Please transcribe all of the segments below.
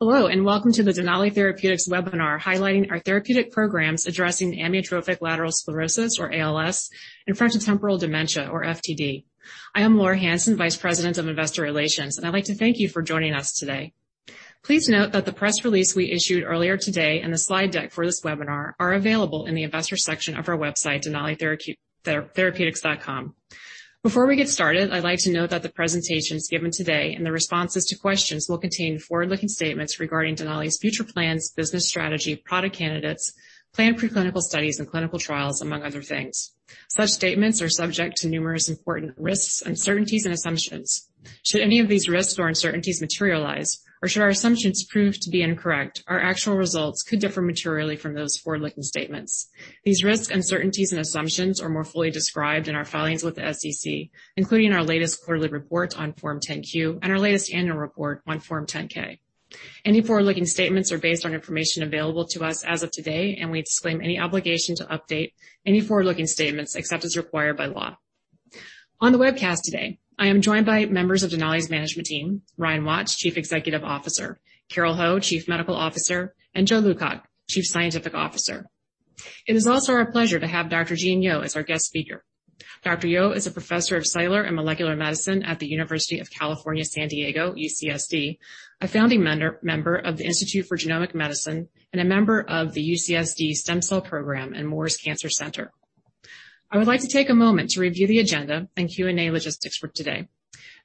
Hello, and welcome to the Denali Therapeutics webinar highlighting our therapeutic programs addressing amyotrophic lateral sclerosis, or ALS, and frontotemporal dementia, or FTD. I am Laura Hansen, Vice President, Investor Relations, and I'd like to thank you for joining us today. Please note that the press release we issued earlier today and the slide deck for this webinar are available in the investor section of our website, denalitherapeutics.com. Before we get started, I'd like to note that the presentations given today and the responses to questions will contain forward-looking statements regarding Denali's future plans, business strategy, product candidates, planned preclinical studies, and clinical trials, among other things. Such statements are subject to numerous important risks, uncertainties and assumptions. Should any of these risks or uncertainties materialize, or should our assumptions prove to be incorrect, our actual results could differ materially from those forward-looking statements. These risks, uncertainties, and assumptions are more fully described in our filings with the SEC, including our latest quarterly report on Form 10-Q and our latest annual report on Form 10-K. Any forward-looking statements are based on information available to us as of today, and we disclaim any obligation to update any forward-looking statements except as required by law. On the webcast today, I am joined by members of Denali's management team, Ryan Watts, chief executive officer, Carole Ho, chief medical officer, and Joe Lewcock, chief scientific officer. It is also our pleasure to have Dr. Gene Yeo as our guest speaker. Dr. Yeo is a professor of cellular and molecular medicine at the University of California, San Diego, UCSD, a founding member of the Institute for Genomic Medicine, and a member of the Sanford Stem Cell Institute and Moores Cancer Center. I would like to take a moment to review the agenda and Q&A logistics for today.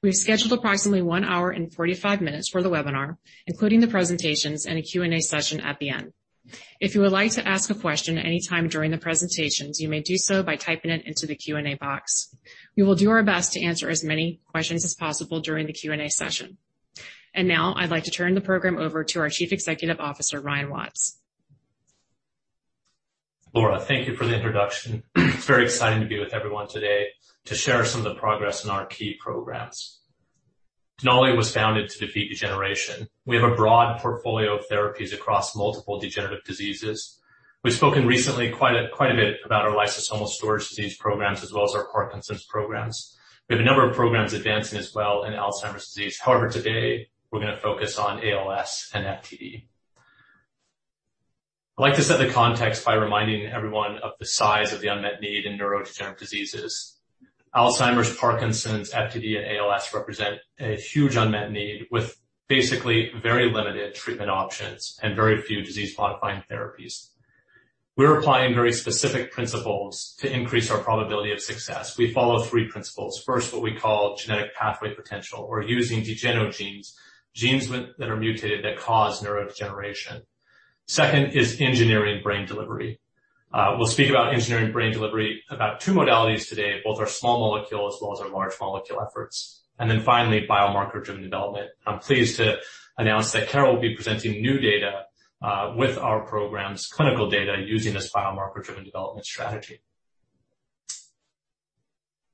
We've scheduled approximately one hour and 45 minutes for the webinar, including the presentations and a Q&A session at the end. If you would like to ask a question at any time during the presentations, you may do so by typing it into the Q&A box. We will do our best to answer as many questions as possible during the Q&A session. Now I'd like to turn the program over to our Chief Executive Officer, Ryan Watts. Laura, thank you for the introduction. It's very exciting to be with everyone today to share some of the progress in our key programs. Denali was founded to defeat degeneration. We have a broad portfolio of therapies across multiple degenerative diseases. We've spoken recently quite a bit about our lysosomal storage disease programs as well as our Parkinson's programs. We have a number of programs advancing as well in Alzheimer's disease. Today we're going to focus on ALS and FTD. I'd like to set the context by reminding everyone of the size of the unmet need in neurodegenerative diseases. Alzheimer's, Parkinson's, FTD, and ALS represent a huge unmet need with basically very limited treatment options and very few disease-modifying therapies. We're applying very specific principles to increase our probability of success. We follow three principles. First, what we call genetic pathway potential, or using degenogenes, genes that are mutated that cause neurodegeneration. Second is engineering brain delivery. We'll speak about engineering brain delivery about two modalities today, both our small molecule as well as our large molecule efforts. Finally, biomarker-driven development. I'm pleased to announce that Carole will be presenting new data with our program's clinical data using this biomarker-driven development strategy.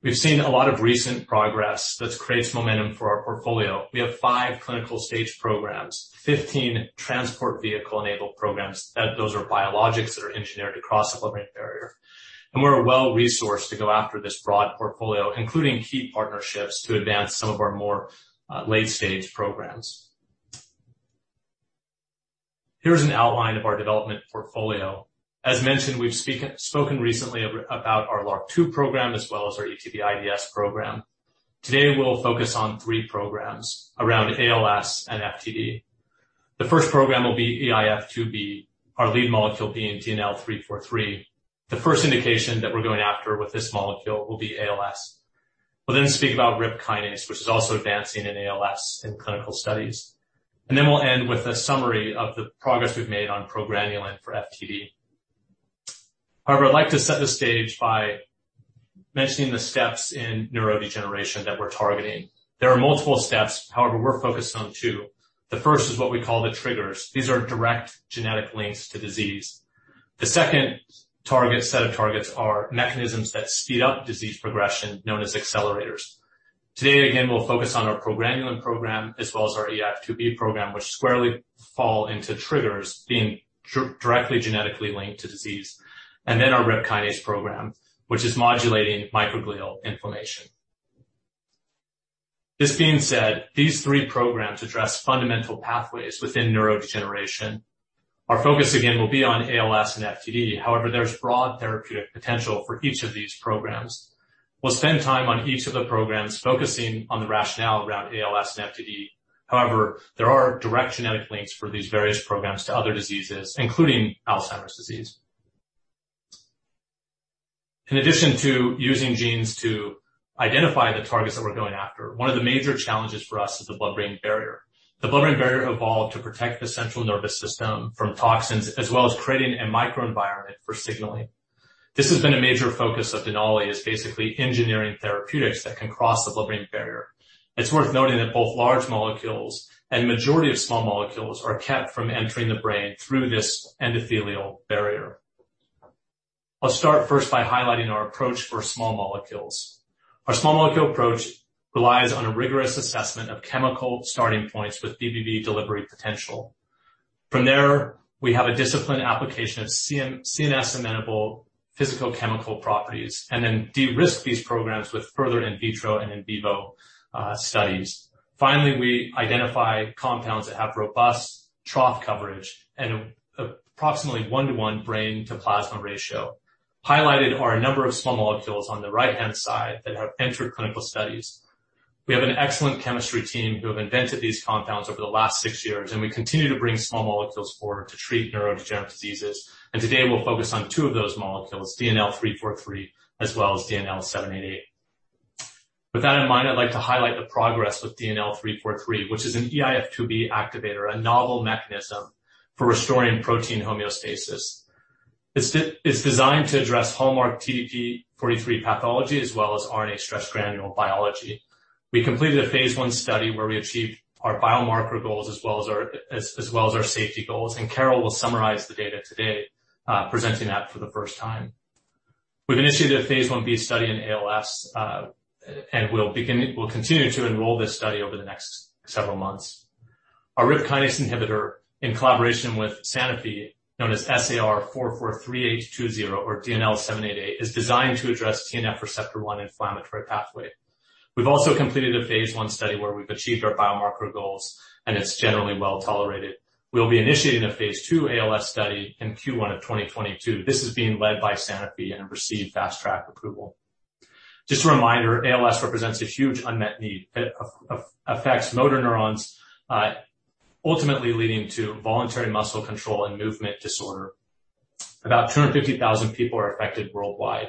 We've seen a lot of recent progress that creates momentum for our portfolio. We have five clinical stage programs, 15 Transport Vehicle-enabled programs. Those are biologics that are engineered to cross the blood-brain barrier. We're well-resourced to go after this broad portfolio, including key partnerships to advance some of our more late-stage programs. Here is an outline of our development portfolio. As mentioned, we've spoken recently about our LRRK2 program as well as our ETV:IDS program. Today, we'll focus on three programs around ALS and FTD. The first program will be eIF2B, our lead molecule being DNL343. The first indication that we're going after with this molecule will be ALS. We'll speak about RIP kinase, which is also advancing in ALS in clinical studies. We'll end with a summary of the progress we've made on progranulin for FTD. I'd like to set the stage by mentioning the steps in neurodegeneration that we're targeting. There are multiple steps. We're focused on two. The first is what we call the triggers. These are direct genetic links to disease. The second set of targets are mechanisms that speed up disease progression, known as accelerators. Today, again, we'll focus on our progranulin program as well as our eIF2B program, which squarely fall into triggers being directly genetically linked to disease, and then our RIPK1 program, which is modulating microglial inflammation. This being said, these three programs address fundamental pathways within neurodegeneration. Our focus, again, will be on ALS and FTD. There's broad therapeutic potential for each of these programs. We'll spend time on each of the programs focusing on the rationale around ALS and FTD. There are direct genetic links for these various programs to other diseases, including Alzheimer's disease. In addition to using genes to identify the targets that we're going after, one of the major challenges for us is the blood-brain barrier. The blood-brain barrier evolved to protect the central nervous system from toxins, as well as creating a microenvironment for signaling. This has been a major focus of Denali as basically engineering therapeutics that can cross the blood-brain barrier. It's worth noting that both large molecules and majority of small molecules are kept from entering the brain through this endothelial barrier. I'll start first by highlighting our approach for small molecules. Our small molecule approach relies on a rigorous assessment of chemical starting points with BBB delivery potential. From there, we have a disciplined application of CNS-amenable physicochemical properties, and then de-risk these programs with further in vitro and in vivo studies. Finally, we identify compounds that have robust trough coverage and approximately one-to-one brain to plasma ratio. Highlighted are a number of small molecules on the right-hand side that have entered clinical studies. We have an excellent chemistry team who have invented these compounds over the last six years, and we continue to bring small molecules forward to treat neurodegenerative diseases. Today, we'll focus on two of those molecules, DNL343, as well as DNL788. With that in mind, I'd like to highlight the progress with DNL343, which is an eIF2B activator, a novel mechanism for restoring protein homeostasis. It's designed to address hallmark TDP-43 pathology as well as RNA stress granule biology. We completed a phase I study where we achieved our biomarker goals as well as our safety goals, and Carole will summarize the data today, presenting that for the first time. We've initiated a phase I-B study in ALS, and we'll continue to enroll this study over the next several months. Our RIP kinase inhibitor in collaboration with Sanofi, known as SAR 443820 or DNL788, is designed to address TNF receptor 1 inflammatory pathway. We've also completed a phase I study where we've achieved our biomarker goals, and it's generally well-tolerated. We'll be initiating a phase II ALS study in Q1 of 2022. This is being led by Sanofi and received Fast Track approval. Just a reminder, ALS represents a huge unmet need. It affects motor neurons, ultimately leading to voluntary muscle control and movement disorder. About 250,000 people are affected worldwide.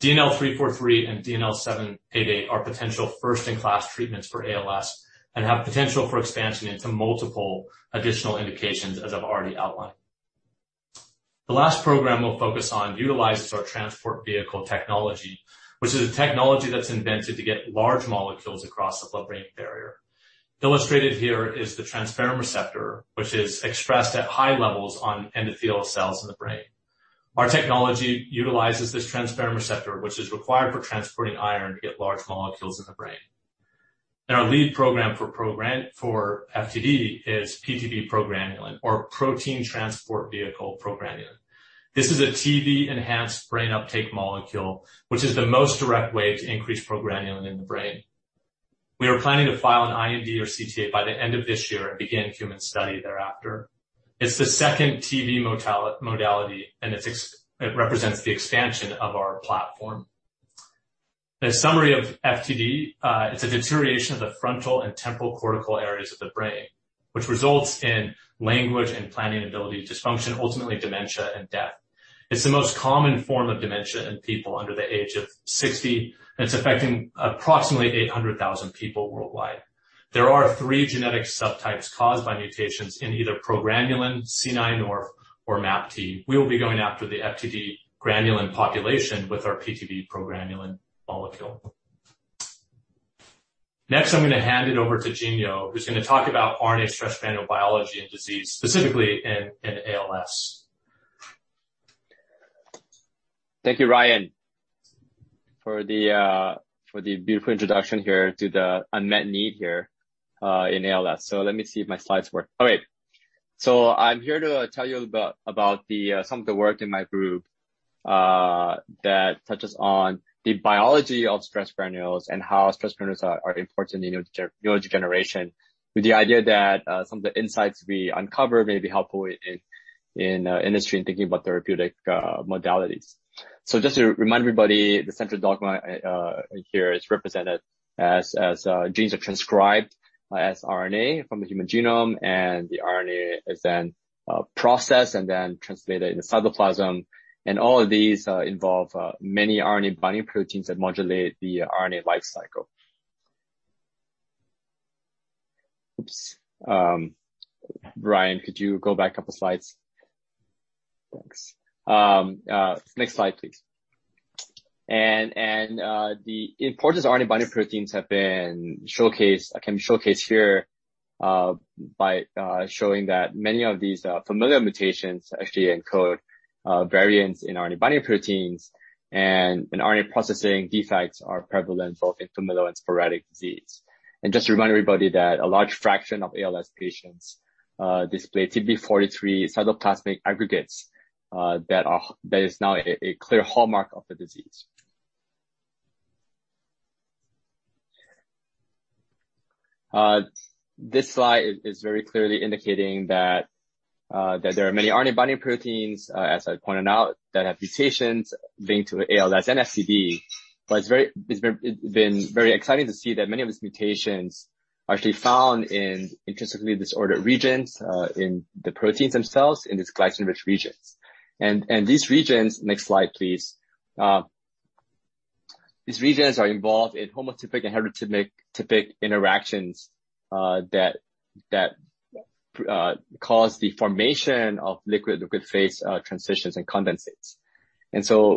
DNL343 and DNL788 are potential first-in-class treatments for ALS and have potential for expansion into multiple additional indications as I've already outlined. The last program we'll focus on utilizes our Transport Vehicle technology, which is a technology that's invented to get large molecules across the blood-brain barrier. Illustrated here is the transferrin receptor, which is expressed at high levels on endothelial cells in the brain. Our technology utilizes this transferrin receptor, which is required for transporting iron to get large molecules in the brain. Our lead program for FTD is PTV progranulin or Protein Transport Vehicle progranulin. This is a TV-enhanced brain uptake molecule, which is the most direct way to increase progranulin in the brain. We are planning to file an IND or CTA by the end of this year and begin human study thereafter. It's the second TV modality, and it represents the expansion of our platform. As summary of FTD, it's a deterioration of the frontal and temporal cortical areas of the brain, which results in language and planning ability dysfunction, ultimately dementia and death. It's the most common form of dementia in people under the age of 60, and it's affecting approximately 800,000 people worldwide. There are three genetic subtypes caused by mutations in either progranulin, C9orf or MAPT. We will be going after the FTD progranulin population with our PTV progranulin molecule. Next, I'm going to hand it over to Gene Yeo, who's going to talk about RNA stress granule biology and disease, specifically in ALS. Thank you, Ryan, for the beautiful introduction here to the unmet need here in ALS. Let me see if my slides work. All right. I'm here to tell you about some of the work in my group that touches on the biology of stress granules and how stress granules are important in neurodegeneration with the idea that some of the insights we uncover may be helpful in industry in thinking about therapeutic modalities. Just to remind everybody, the central dogma here is represented as genes are transcribed as RNA from the human genome, and the RNA is then processed and then translated in the cytoplasm. All of these involve many RNA binding proteins that modulate the RNA life cycle. Oops. Ryan, could you go back a couple slides? Thanks. Next slide, please. The importance of RNA binding proteins have been showcased, can be showcased here by showing that many of these familiar mutations actually encode variants in RNA binding proteins and in RNA processing defects are prevalent both in familial and sporadic disease. Just to remind everybody that a large fraction of ALS patients display TDP-43 cytoplasmic aggregates that is now a clear hallmark of the disease. This slide is very clearly indicating that there are many RNA binding proteins, as I pointed out, that have mutations linked to ALS/FTD. It's been very exciting to see that many of these mutations are actually found in intrinsically disordered regions in the proteins themselves, in these glycine-rich regions. These regions, next slide, please. These regions are involved in homotypic and heterotypic interactions that cause the formation of liquid-liquid phase transitions and condensates.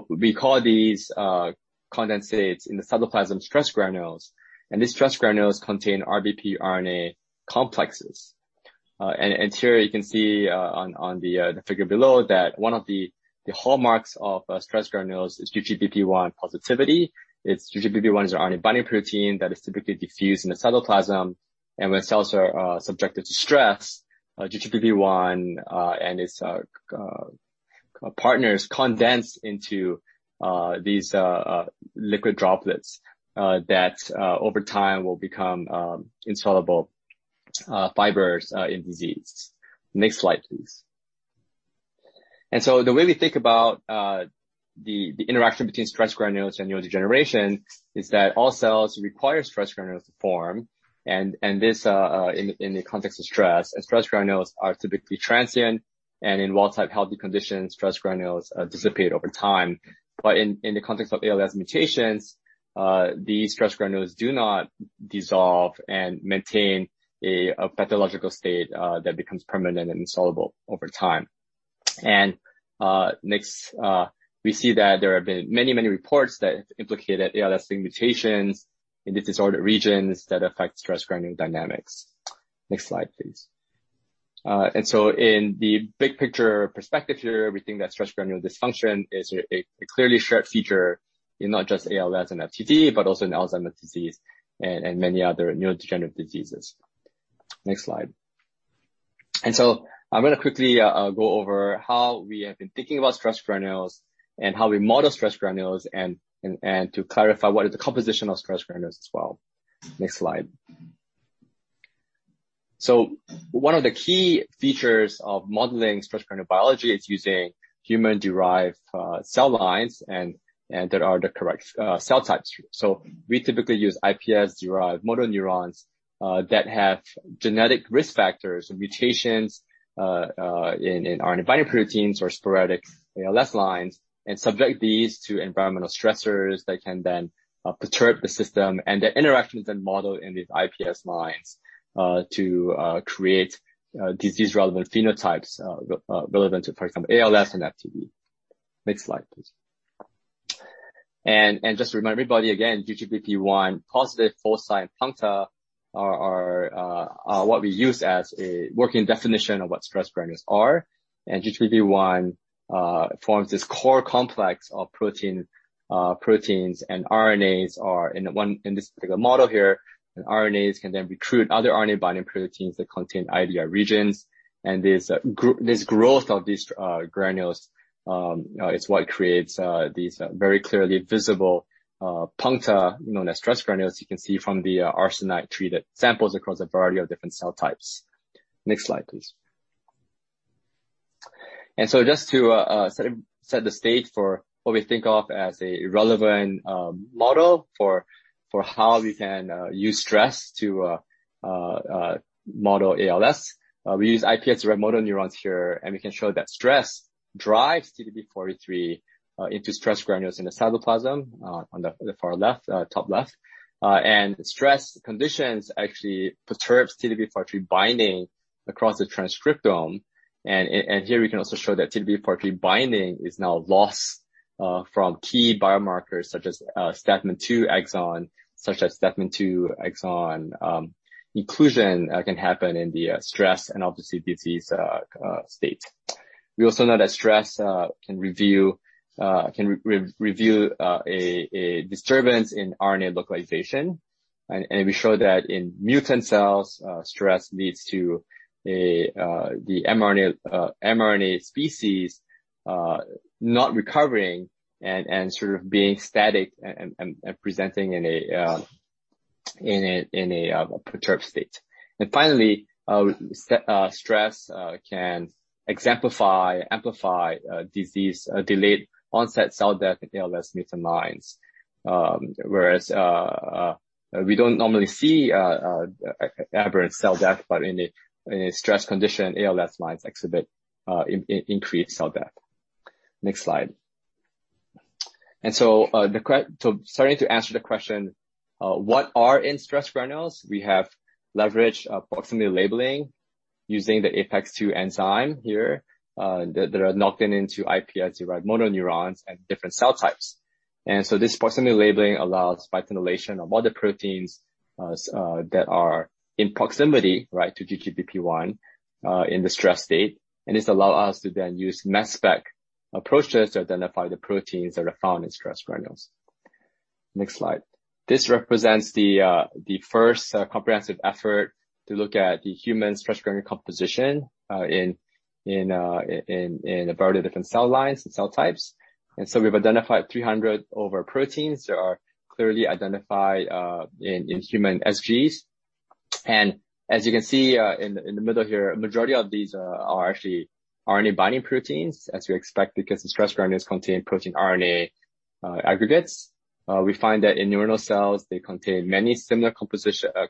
We call these condensates in the cytoplasm stress granules, and these stress granules contain RBP-RNA complexes. Here you can see on the figure below that one of the hallmarks of stress granules is G3BP1 positivity. G3BP1 is an RNA binding protein that is typically diffused in the cytoplasm. When cells are subjected to stress, G3BP1 and its partners condense into these liquid droplets that over time will become insoluble fibers in disease. Next slide, please. The way we think about the interaction between stress granules and neurodegeneration is that all cells require stress granules to form, and this in the context of stress. Stress granules are typically transient. In wild-type healthy conditions, stress granules dissipate over time. In the context of ALS mutations, these stress granules do not dissolve and maintain a pathological state that becomes permanent and insoluble over time. Next, we see that there have been many, many reports that have implicated ALS mutations in the disordered regions that affect stress granule dynamics. Next slide, please. In the big picture perspective here, we think that stress granule dysfunction is a clearly shared feature in not just ALS and FTD, but also in Alzheimer's disease and many other neurodegenerative diseases. Next slide. I'm going to quickly go over how we have been thinking about stress granules and how we model stress granules, and to clarify what is the composition of stress granules as well. Next slide. One of the key features of modeling stress granule biology is using human-derived cell lines, and that are the correct cell types. We typically use iPSC-derived motor neurons that have genetic risk factors and mutations in RNA-binding proteins or sporadic ALS lines, and subject these to environmental stressors that can then perturb the system and their interactions then modeled in these iPSC lines to create disease-relevant phenotypes relevant to, for example, ALS and FTD. Next slide, please. Just to remind everybody again, G3BP1 positive foci and puncta are what we use as a working definition of what stress granules are. G3BP1 forms this core complex of proteins and RNAs are in this particular model here, and RNAs can then recruit other RNA-binding proteins that contain IDR regions. This growth of these granules is what creates these very clearly visible puncta known as stress granules. You can see from the arsenite-treated samples across a variety of different cell types. Next slide, please. Just to set the stage for what we think of as a relevant model for how we can use stress to model ALS. We use iPS-derived motor neurons here, and we can show that stress drives TDP-43 into stress granules in the cytoplasm on the far left, top left. Stress conditions actually perturbs TDP-43 binding across the transcriptome. Here we can also show that TDP-43 binding is now lost from key biomarkers such as stathmin-2 exon inclusion can happen in the stress and obviously disease state. We also know that stress can reveal a disturbance in RNA localization. We show that in mutant cells, stress leads to the mRNA species not recovering and sort of being static and presenting in a perturbed state. Finally, stress can exemplify, amplify disease, delayed onset cell death in ALS mutant lines. Whereas we don't normally see aberrant cell death, but in a stress condition, ALS lines exhibit increased cell death. Next slide. Starting to answer the question, what are in stress granules? We have leveraged proximity labeling using the APEX2 enzyme here, that are knocked into iPS-derived motor neurons and different cell types. This proximity labeling allows biotinylation of other proteins that are in proximity to G3BP1 in the stress state, and this allow us to then use mass spec approaches to identify the proteins that are found in stress granules. Next slide. This represents the first comprehensive effort to look at the human stress granule composition in a variety of different cell lines and cell types. We've identified 300 over proteins that are clearly identified in human SGs. As you can see in the middle here, a majority of these are actually RNA binding proteins, as we expect because the stress granules contain protein RNA aggregates. We find that in neuronal cells, they contain many similar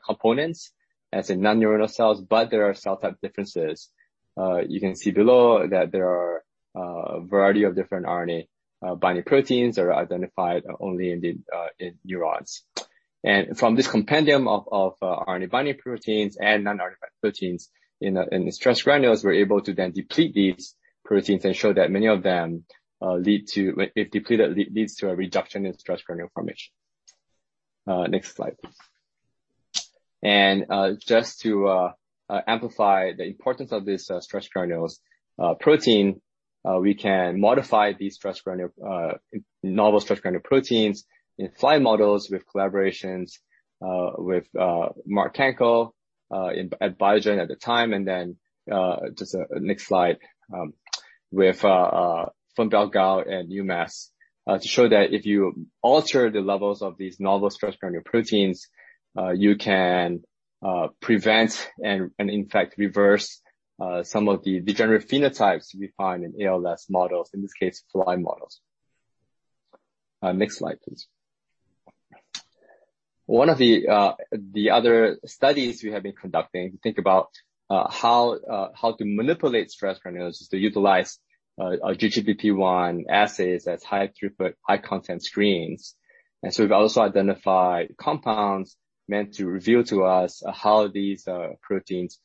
components as in non-neuronal cells, but there are cell type differences. You can see below that there are a variety of different RNA binding proteins that are identified only in neurons. From this compendium of RNA binding proteins and non-RNA binding proteins in the stress granules, we're able to then deplete these proteins and show that many of them, if depleted, leads to a reduction in stress granule formation. Next slide. Just to amplify the importance of this stress granules protein, we can modify these novel stress granule proteins in fly models with collaborations with Mark Hanco at Biogen at the time, next slide, with Feng Gao and UMass to show that if you alter the levels of these novel stress granule proteins, you can prevent and in fact reverse some of the degenerative phenotypes we find in ALS models, in this case, fly models. Next slide, please. One of the other studies we have been conducting to think about how to manipulate stress granules is to utilize G3BP1 assays as high throughput, high content screens. We've also identified compounds meant to reveal to us how these proteins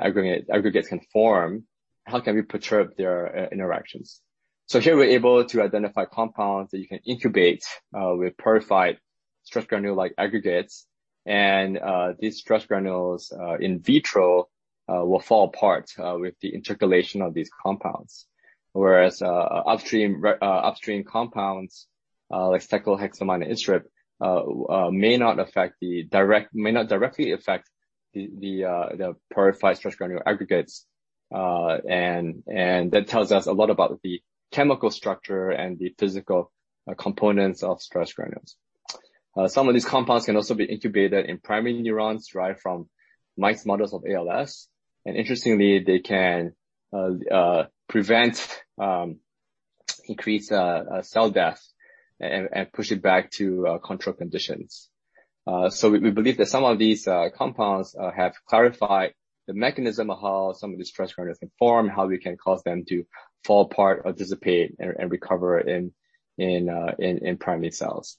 aggregates can form, how can we perturb their interactions. Here we're able to identify compounds that you can incubate with purified stress granule-like aggregates. These stress granules in vitro will fall apart with the intercalation of these compounds. Whereas upstream compounds, like cycloheximide may not directly affect the purified stress granule aggregates. That tells us a lot about the chemical structure and the physical components of stress granules. Some of these compounds can also be incubated in primary neurons derived from mice models of ALS. Interestingly, they can prevent increased cell death and push it back to control conditions. We believe that some of these compounds have clarified the mechanism of how some of these stress granules can form, how we can cause them to fall apart or dissipate and recover in primary cells.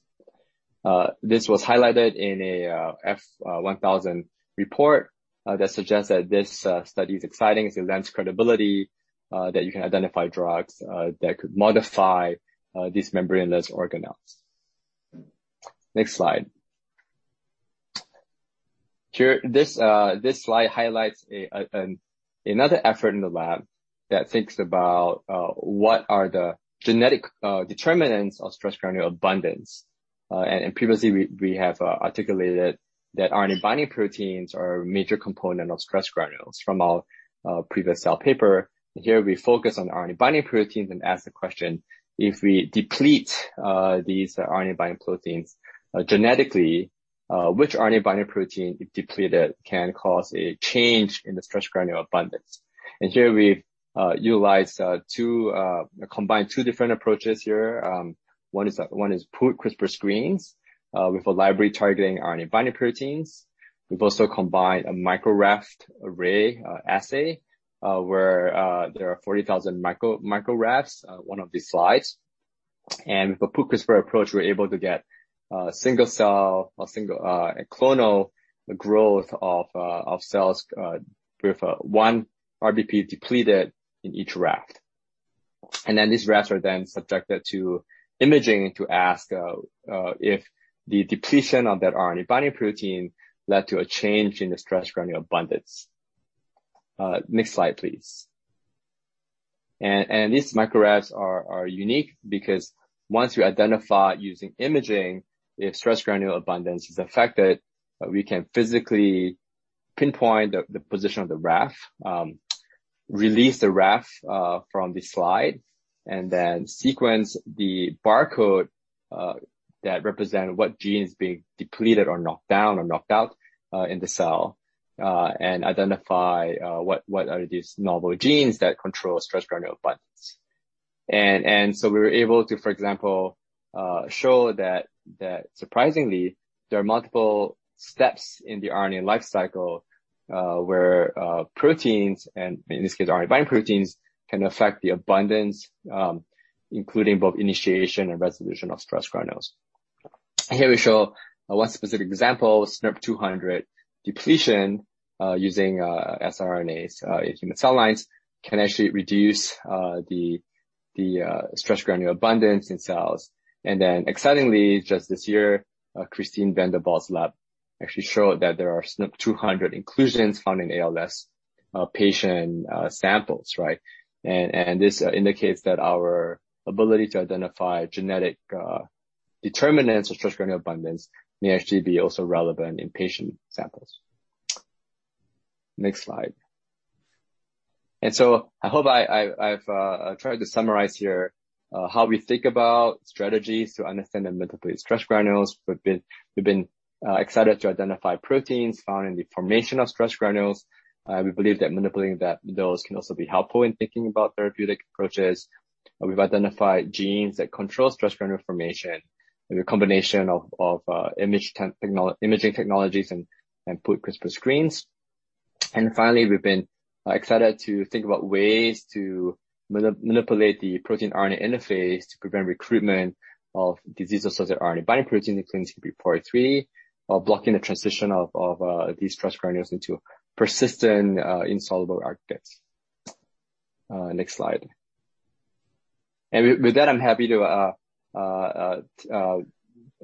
This was highlighted in a F1000 report that suggests that this study is exciting, it lends credibility that you can identify drugs that could modify these membraneless organelles. Next slide. This slide highlights another effort in the lab that thinks about what are the genetic determinants of stress granule abundance. Previously we have articulated that RNA binding proteins are a major component of stress granules from our previous Cell paper. Here we focus on RNA binding proteins and ask the question, if we deplete these RNA binding proteins genetically which RNA binding protein, if depleted, can cause a change in the stress granule abundance? Here we've combined two different approaches here. One is pool CRISPR screens with a library targeting RNA binding proteins. We've also combined a micro RAFT array assay, where there are 40,000 micro RAFTs on one of these slides. With the pool CRISPR approach, we're able to get a single cell or a clonal growth of cells with one RBP depleted in each RAFT. These RAFTs are then subjected to imaging to ask if the depletion of that RNA-binding protein led to a change in the stress granule abundance. Next slide, please. These micro-rafts are unique because once you identify using imaging if stress granule abundance is affected, we can physically pinpoint the position of the RAFT, release the RAFT from the slide, and then sequence the barcode that represent what gene is being depleted or knocked down or knocked out in the cell, and identify what are these novel genes that control stress granule abundance. We were able to, for example, show that surprisingly, there are multiple steps in the RNA life cycle, where proteins, and in this case RNA-binding proteins, can affect the abundance, including both initiation and resolution of stress granules. Here we show one specific example, SNRNP200 depletion, using sRNAs in human cell lines can actually reduce the stress granule abundance in cells. Excitingly, just this year, Christine Vande Velde's lab actually showed that there are SNRNP200 inclusions found in ALS patient samples. Right? This indicates that our ability to identify genetic determinants of stress granule abundance may actually be also relevant in patient samples. Next slide. I hope I've tried to summarize here how we think about strategies to understand and manipulate stress granules. We've been excited to identify proteins found in the formation of stress granules. We believe that manipulating those can also be helpful in thinking about therapeutic approaches. We've identified genes that control stress granule formation with a combination of imaging technologies and pool CRISPR screens. Finally, we've been excited to think about ways to manipulate the protein RNA interface to prevent recruitment of disease-associated RNA binding protein, including TDP-43, while blocking the transition of these stress granules into persistent insoluble aggregates. Next slide. With that, I'm happy to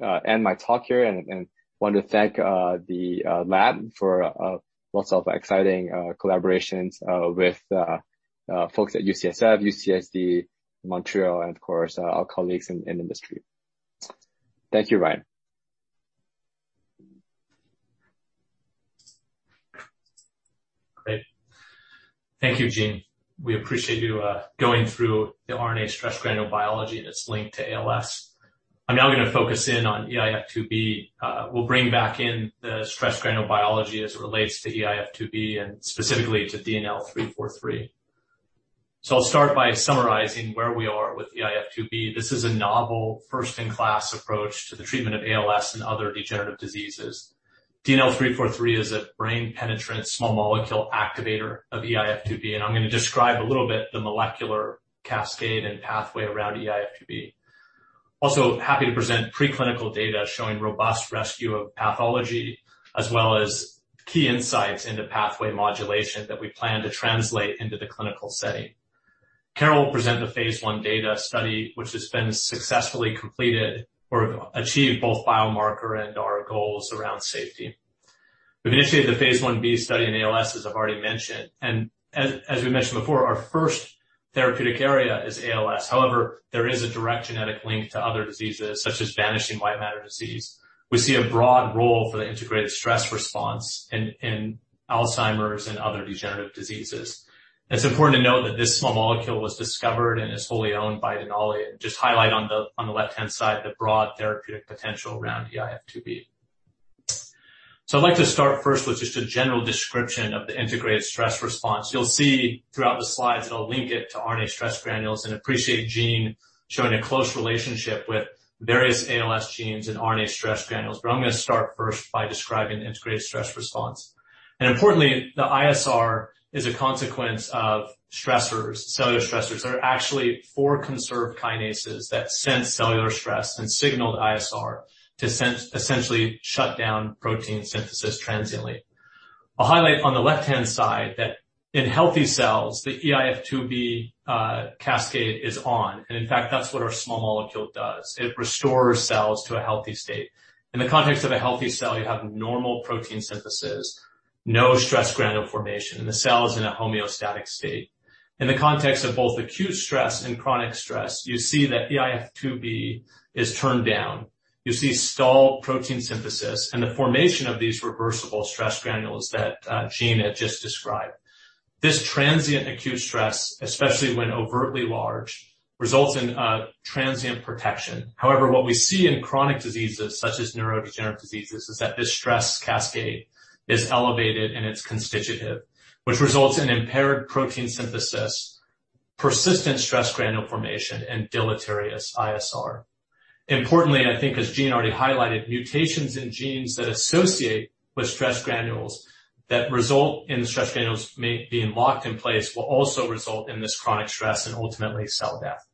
end my talk here and want to thank the lab for lots of exciting collaborations with folks at UCSF, UCSD, Montreal, and of course, our colleagues in industry. Thank you, Ryan. Great. Thank you, Gene. We appreciate you going through the RNA stress granule biology and its link to ALS. I'm now going to focus on eIF2B. We'll bring back in the stress granule biology as it relates to eIF2B and specifically to DNL343. I'll start by summarizing where we are with eIF2B. This is a novel first-in-class approach to the treatment of ALS and other degenerative diseases. DNL343 is a brain-penetrant small molecule activator of eIF2B, and I'm going to describe a little bit the molecular cascade and pathway around eIF2B. Happy to present preclinical data showing robust rescue of pathology, as well as key insights into pathway modulation that we plan to translate into the clinical setting. Carole will present the phase I data study, which has been successfully completed or achieved both biomarker and our goals around safety. We've initiated the phase I-B study in ALS, as I've already mentioned. As we mentioned before, our first therapeutic area is ALS. However, there is a direct genetic link to other diseases, such as vanishing white matter disease. We see a broad role for the integrated stress response in Alzheimer's and other degenerative diseases. It's important to note that this small molecule was discovered and is wholly owned by Denali, and just highlight on the left-hand side the broad therapeutic potential around eIF2B. I'd like to start first with just a general description of the integrated stress response. You'll see throughout the slides that I'll link it to RNA stress granules and appreciate Gene showing a close relationship with various ALS genes and RNA stress granules, but I'm going to start first by describing the integrated stress response. Importantly, the ISR is a consequence of cellular stressors. There are actually four conserved kinases that sense cellular stress and signal the ISR to essentially shut down protein synthesis transiently. I'll highlight on the left-hand side that in healthy cells, the eIF2B cascade is on, and in fact, that's what our small molecule does. It restores cells to a healthy state. In the context of a healthy cell, you have normal protein synthesis, no stress granule formation, and the cell is in a homeostatic state. In the context of both acute stress and chronic stress, you see that eIF2B is turned down. You see stalled protein synthesis and the formation of these reversible stress granules that Gene Yeo had just described. This transient acute stress, especially when overtly large, results in transient protection. What we see in chronic diseases such as neurodegenerative diseases is that this stress cascade is elevated and it's constitutive. Which results in impaired protein synthesis, persistent stress granule formation, and deleterious ISR. I think as Gene already highlighted, mutations in genes that associate with stress granules that result in the stress granules being locked in place will also result in this chronic stress and ultimately cell death.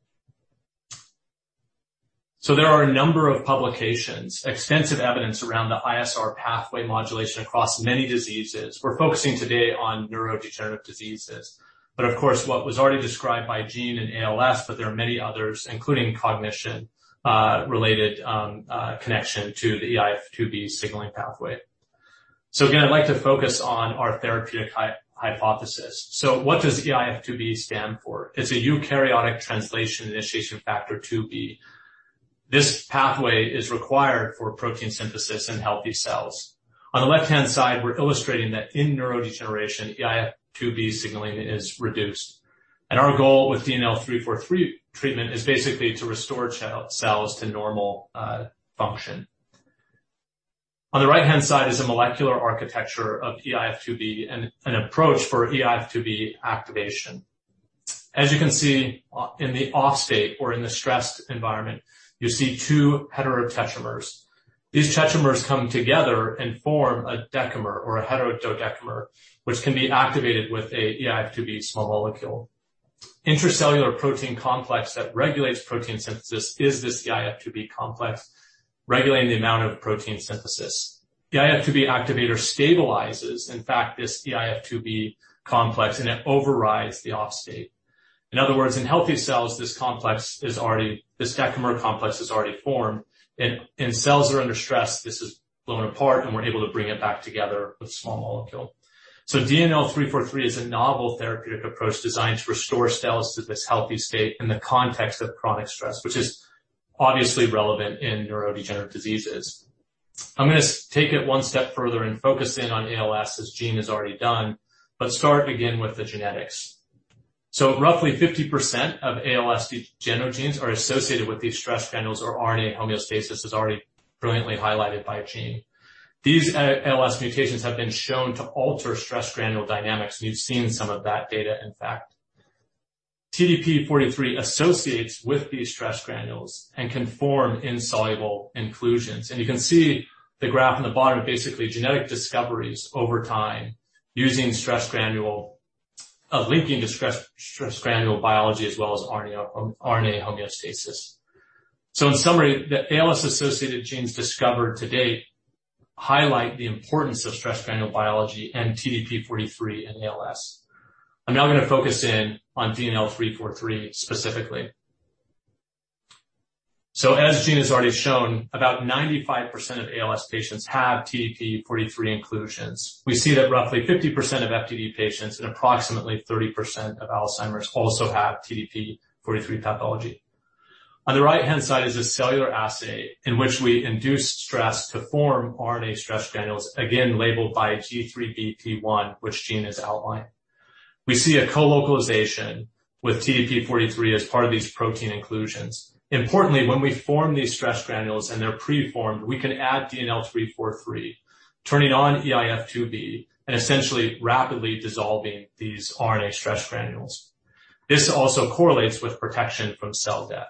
There are a number of publications, extensive evidence around the ISR pathway modulation across many diseases. We're focusing today on neurodegenerative diseases. Of course, what was already described by Gene in ALS, but there are many others, including cognition-related connection to the eIF2B signaling pathway. Again, I'd like to focus on our therapeutic hypothesis. What does eIF2B stand for? It's a eukaryotic translation initiation factor 2B. This pathway is required for protein synthesis in healthy cells. On the left-hand side, we're illustrating that in neurodegeneration, eIF2B signaling is reduced. Our goal with DNL343 treatment is basically to restore cells to normal function. On the right-hand side is a molecular architecture of eIF2B and an approach for eIF2B activation. As you can see in the off state or in the stressed environment, you see two heterotetramers. These tetramers come together and form a decamer or a heterodecamer, which can be activated with a eIF2B small molecule. Intracellular protein complex that regulates protein synthesis is this eIF2B complex, regulating the amount of protein synthesis. The eIF2B activator stabilizes, in fact, this eIF2B complex, and it overrides the off state. In other words, in healthy cells, this decamer complex is already formed. In cells that are under stress, this is blown apart, and we're able to bring it back together with small molecule. DNL343 is a novel therapeutic approach designed to restore cells to this healthy state in the context of chronic stress, which is obviously relevant in neurodegenerative diseases. I'm going to take it one step further and focus in on ALS as Gene has already done, but start again with the genetics. Roughly 50% of ALS degenogenes are associated with these stress granules or RNA homeostasis, as already brilliantly highlighted by Gene. These ALS mutations have been shown to alter stress granule dynamics. We've seen some of that data, in fact. TDP-43 associates with these stress granules and can form insoluble inclusions. You can see the graph on the bottom are basically genetic discoveries over time using linking to stress granule biology as well as RNA homeostasis. In summary, the ALS-associated genes discovered to date highlight the importance of stress granule biology and TDP-43 and ALS. I'm now going to focus on DNL343 specifically. As Gene has already shown, about 95% of ALS patients have TDP-43 inclusions. We see that roughly 50% of FTD patients and approximately 30% of Alzheimer's also have TDP-43 pathology. On the right-hand side is a cellular assay in which we induce stress to form RNA stress granules, again labeled by G3BP1, which Gene has outlined. We see a colocalization with TDP-43 as part of these protein inclusions. Importantly, when we form these stress granules and they're preformed, we can add DNL343, turning on eIF2B and essentially rapidly dissolving these RNA stress granules. This also correlates with protection from cell death.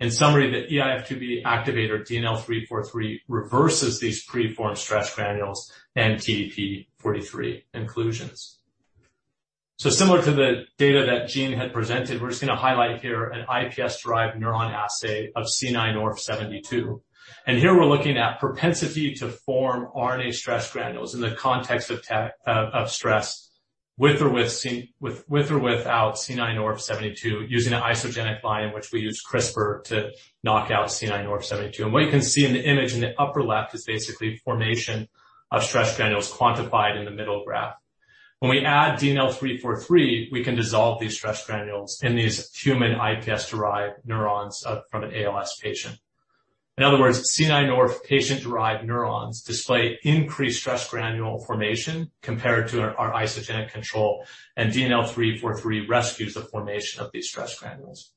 In summary, the eIF2B activator DNL343 reverses these preformed stress granules and TDP-43 inclusions. Similar to the data that Gene had presented, we're just going to highlight here an iPS-derived neuron assay of C9orf72. Here we're looking at propensity to form RNA stress granules in the context of stress with or without C9orf72 using an isogenic line in which we use CRISPR to knock out C9orf72. What you can see in the image in the upper left is basically formation of stress granules quantified in the middle graph. When we add DNL343, we can dissolve these stress granules in these human iPS-derived neurons from an ALS patient. In other words, C9orf patient-derived neurons display increased stress granule formation compared to our isogenic control, and DNL343 rescues the formation of these stress granules.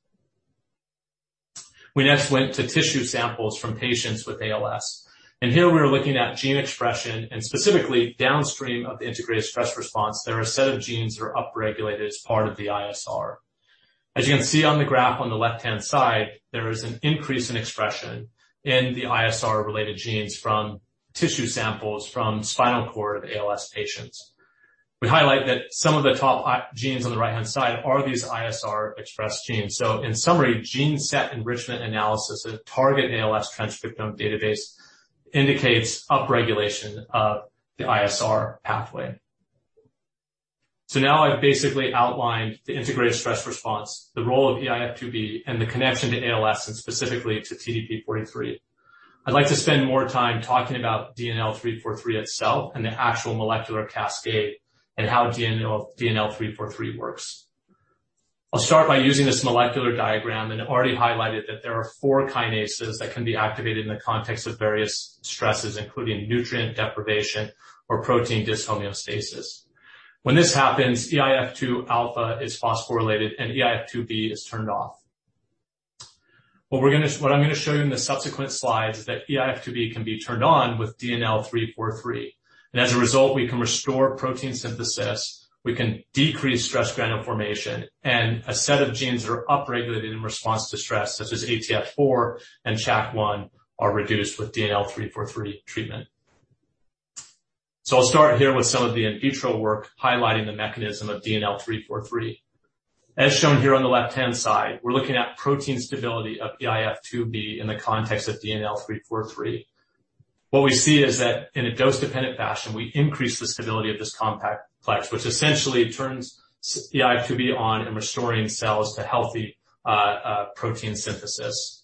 We next went to tissue samples from patients with ALS. Here we are looking at gene expression and specifically downstream of the integrated stress response, there are a set of genes that are upregulated as part of the ISR. As you can see on the graph on the left-hand side, there is an increase in expression in the ISR-related genes from tissue samples from spinal cord of ALS patients. We highlight that some of the top genes on the right-hand side are these ISR expressed genes. In summary, Target ALS transcriptome database indicates upregulation of the ISR pathway. Now I've basically outlined the integrated stress response, the role of eIF2B, and the connection to ALS, and specifically to TDP-43. I'd like to spend more time talking about DNL343 itself and the actual molecular cascade and how DNL343 works. I'll start by using this molecular diagram and already highlighted that there are four kinases that can be activated in the context of various stresses, including nutrient deprivation or protein dyshomeostasis. When this happens, eIF2α is phosphorylated and eIF2B is turned off. What I'm going to show you in the subsequent slides is that eIF2B can be turned on with DNL343, and as a result, we can restore protein synthesis, we can decrease stress granule formation, and a set of genes that are upregulated in response to stress, such as ATF4 and CHAC1, are reduced with DNL343 treatment. I'll start here with some of the in vitro work highlighting the mechanism of DNL343. As shown here on the left-hand side, we're looking at protein stability of eIF2B in the context of DNL343. What we see is that in a dose-dependent fashion, we increase the stability of this compact plex, which essentially turns eIF2B on and restoring cells to healthy protein synthesis.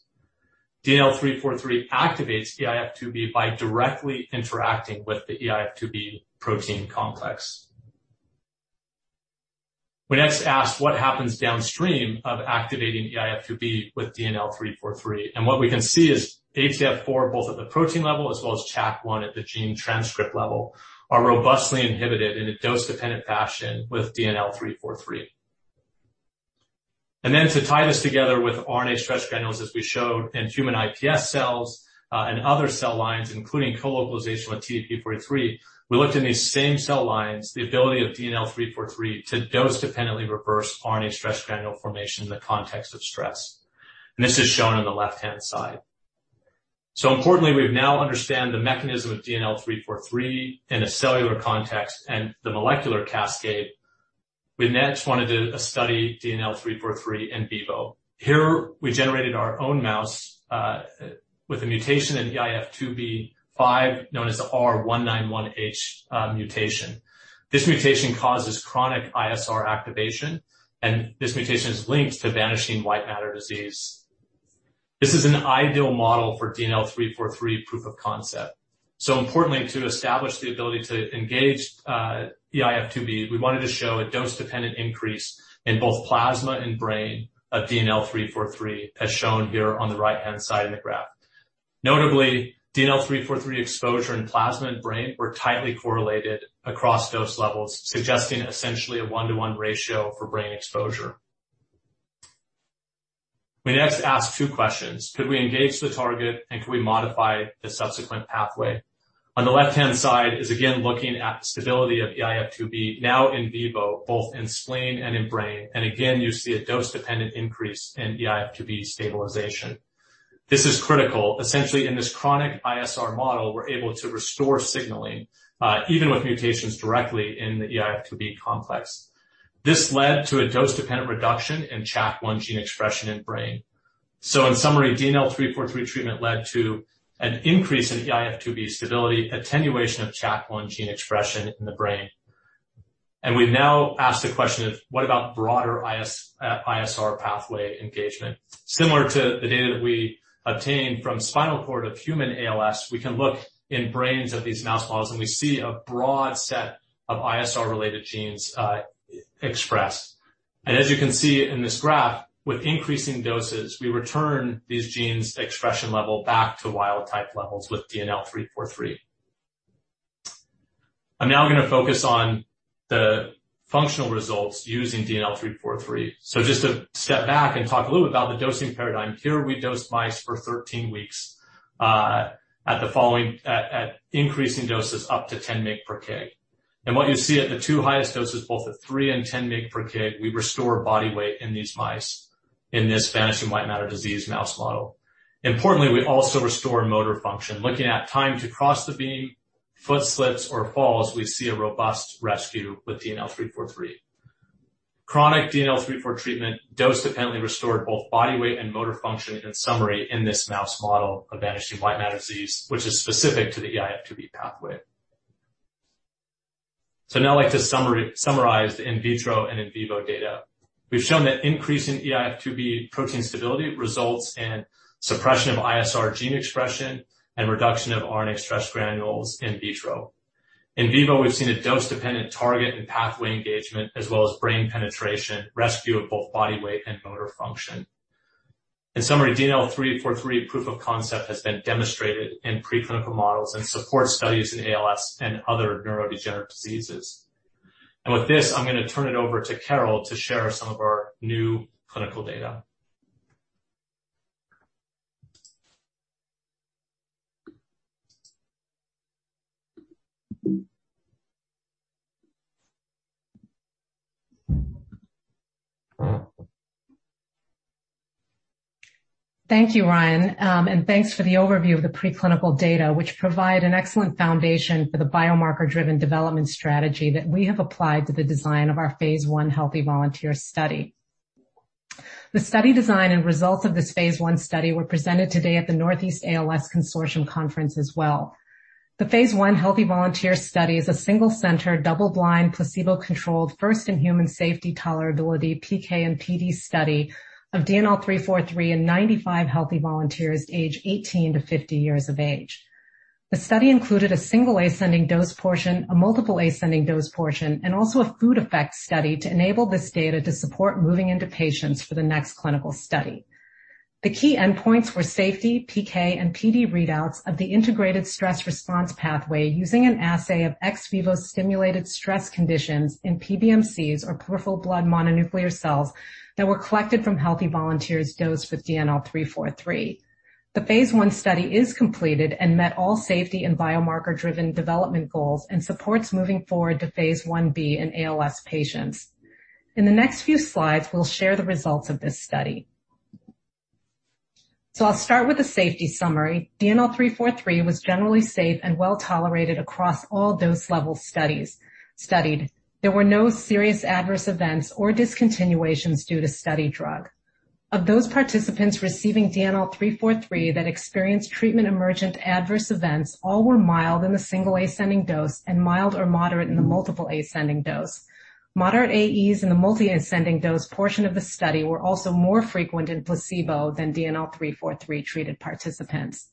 DNL343 activates eIF2B by directly interacting with the eIF2B protein complex. We next asked what happens downstream of activating eIF2B with DNL343. What we can see is ATF4, both at the protein level as well as CHAC1 at the gene transcript level, are robustly inhibited in a dose-dependent fashion with DNL343. To tie this together with RNA stress granules, as we showed in human iPSC, and other cell lines, including colocalization with TDP-43, we looked in these same cell lines, the ability of DNL343 to dose dependently reverse RNA stress granule formation in the context of stress. This is shown on the left-hand side. Importantly, we now understand the mechanism of DNL343 in a cellular context and the molecular cascade. We next wanted to study DNL343 in vivo. Here, we generated our own mouse, with a mutation in Eif2b5, known as the R191H mutation. This mutation causes chronic ISR activation, and this mutation is linked to Vanishing White Matter Disease. This is an ideal model for DNL343 proof of concept. Importantly, to establish the ability to engage eIF2B, we wanted to show a dose-dependent increase in both plasma and brain of DNL343, as shown here on the right-hand side in the graph. Notably, DNL343 exposure in plasma and brain were tightly correlated across dose levels, suggesting essentially a one-to-one ratio for brain exposure. We next asked two questions: Could we engage the target, and could we modify the subsequent pathway? On the left-hand side is again looking at stability of eIF2B, now in vivo, both in spleen and in brain. Again, you see a dose-dependent increase in eIF2B stabilization. This is critical. Essentially, in this chronic ISR model, we're able to restore signaling, even with mutations directly in the eIF2B complex. This led to a dose-dependent reduction in CHAC1 gene expression in brain. In summary, DNL343 treatment led to an increase in eIF2B stability, attenuation of CHAC1 gene expression in the brain. We've now asked the question of what about broader ISR pathway engagement? Similar to the data that we obtained from spinal cord of human ALS, we can look in brains of these mouse models, and we see a broad set of ISR-related genes expressed. As you can see in this graph, with increasing doses, we return these genes' expression level back to wild type levels with DNL343. I'm now going to focus on the functional results using DNL343. Just to step back and talk a little bit about the dosing paradigm. Here, we dosed mice for 13 weeks, at increasing doses up to 10 mg/kg. What you see at the two highest doses, both at 3 and 10 mg/kg, we restore body weight in these mice in this Vanishing White Matter Disease mouse model. Importantly, we also restore motor function. Looking at time to cross the beam, foot slips or falls, we see a robust rescue with DNL343. Chronic DNL343 treatment dose dependently restored both body weight and motor function, in summary, in this mouse model of Vanishing White Matter Disease, which is specific to the eIF2B pathway. Now I'd like to summarize the in vitro and in vivo data. We've shown that increasing eIF2B protein stability results in suppression of ISR gene expression and reduction of RNA stress granules in vitro. In vivo, we've seen a dose-dependent target and pathway engagement as well as brain penetration, rescue of both body weight and motor function. In summary, DNL343 proof of concept has been demonstrated in preclinical models and support studies in ALS and other neurodegenerative diseases. With this, I'm going to turn it over to Carole to share some of our new clinical data. Thank you, Ryan, and thanks for the overview of the preclinical data, which provide an excellent foundation for the biomarker-driven development strategy that we have applied to the design of our phase I healthy volunteer study. The study design and results of this phase I study were presented today at the Northeast ALS Consortium Conference as well. The phase I healthy volunteer study is a single-center, double-blind, placebo-controlled, first-in-human safety tolerability PK and PD study of DNL343 in 95 healthy volunteers age 18-50 years of age. The study included a single ascending dose portion, a multiple ascending dose portion, and also a food effect study to enable this data to support moving into patients for the next clinical study. The key endpoints were safety, PK, and PD readouts of the integrated stress response pathway using an assay of ex vivo stimulated stress conditions in PBMCs or peripheral blood mononuclear cells that were collected from healthy volunteers dosed with DNL343. The Phase I study is completed and met all safety and biomarker-driven development goals and supports moving forward to Phase I-B in ALS patients. In the next few slides, we'll share the results of this study. I'll start with the safety summary. DNL343 was generally safe and well-tolerated across all dose level studies studied. There were no serious adverse events or discontinuations due to studied drug. Of those participants receiving DNL343 that experienced treatment emergent adverse events, all were mild in the single ascending dose and mild or moderate in the multiple ascending dose. Moderate AEs in the multi-ascending dose portion of the study were also more frequent in placebo than DNL343-treated participants.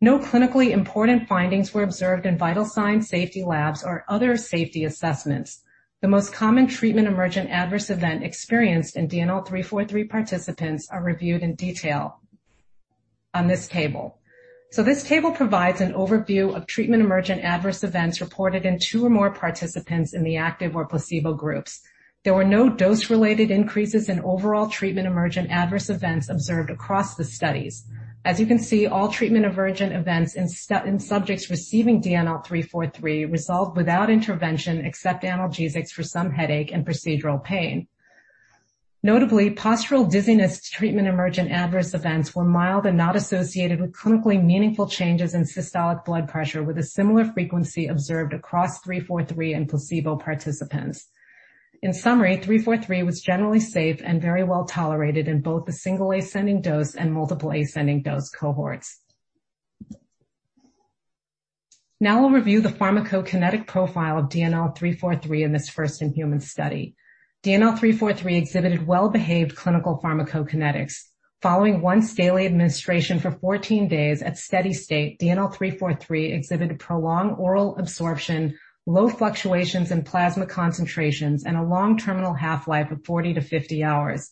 No clinically important findings were observed in vital sign safety labs or other safety assessments. The most common treatment emergent adverse event experienced in DNL343 participants are reviewed in detail on this table. This table provides an overview of treatment emergent adverse events reported in two or more participants in the active or placebo groups. There were no dose-related increases in overall treatment emergent adverse events observed across the studies. As you can see, all treatment emergent events in subjects receiving DNL343 resolved without intervention except analgesics for some headache and procedural pain. Notably, postural dizziness treatment emergent adverse events were mild and not associated with clinically meaningful changes in systolic blood pressure, with a similar frequency observed across 343 and placebo participants. In summary, 343 was generally safe and very well tolerated in both the single ascending dose and multiple ascending dose cohorts. Now we'll review the pharmacokinetic profile of DNL343 in this first-in-human study. DNL343 exhibited well-behaved clinical pharmacokinetics. Following once daily administration for 14 days at steady state, DNL343 exhibited prolonged oral absorption, low fluctuations in plasma concentrations, and a long terminal half-life of 40 to 50 hours.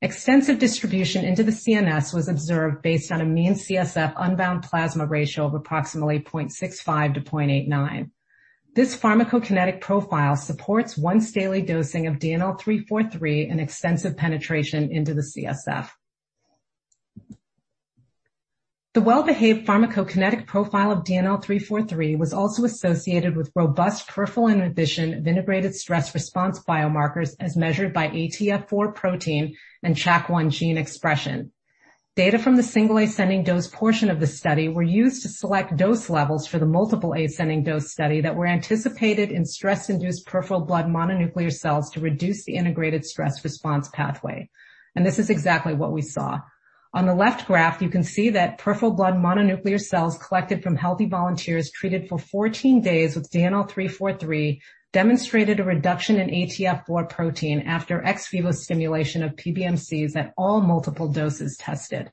Extensive distribution into the CNS was observed based on a mean CSF unbound plasma ratio of approximately 0.65 to 0.89. This pharmacokinetic profile supports once daily dosing of DNL343 and extensive penetration into the CSF. The well-behaved pharmacokinetic profile of DNL343 was also associated with robust peripheral inhibition of integrated stress response biomarkers as measured by ATF4 protein and CHAC1 gene expression. Data from the single ascending dose portion of the study were used to select dose levels for the multiple ascending dose study that were anticipated in stress-induced peripheral blood mononuclear cells to reduce the integrated stress response pathway. This is exactly what we saw. On the left graph, you can see that peripheral blood mononuclear cells collected from healthy volunteers treated for 14 days with DNL343 demonstrated a reduction in ATF4 protein after ex vivo stimulation of PBMCs at all multiple doses tested.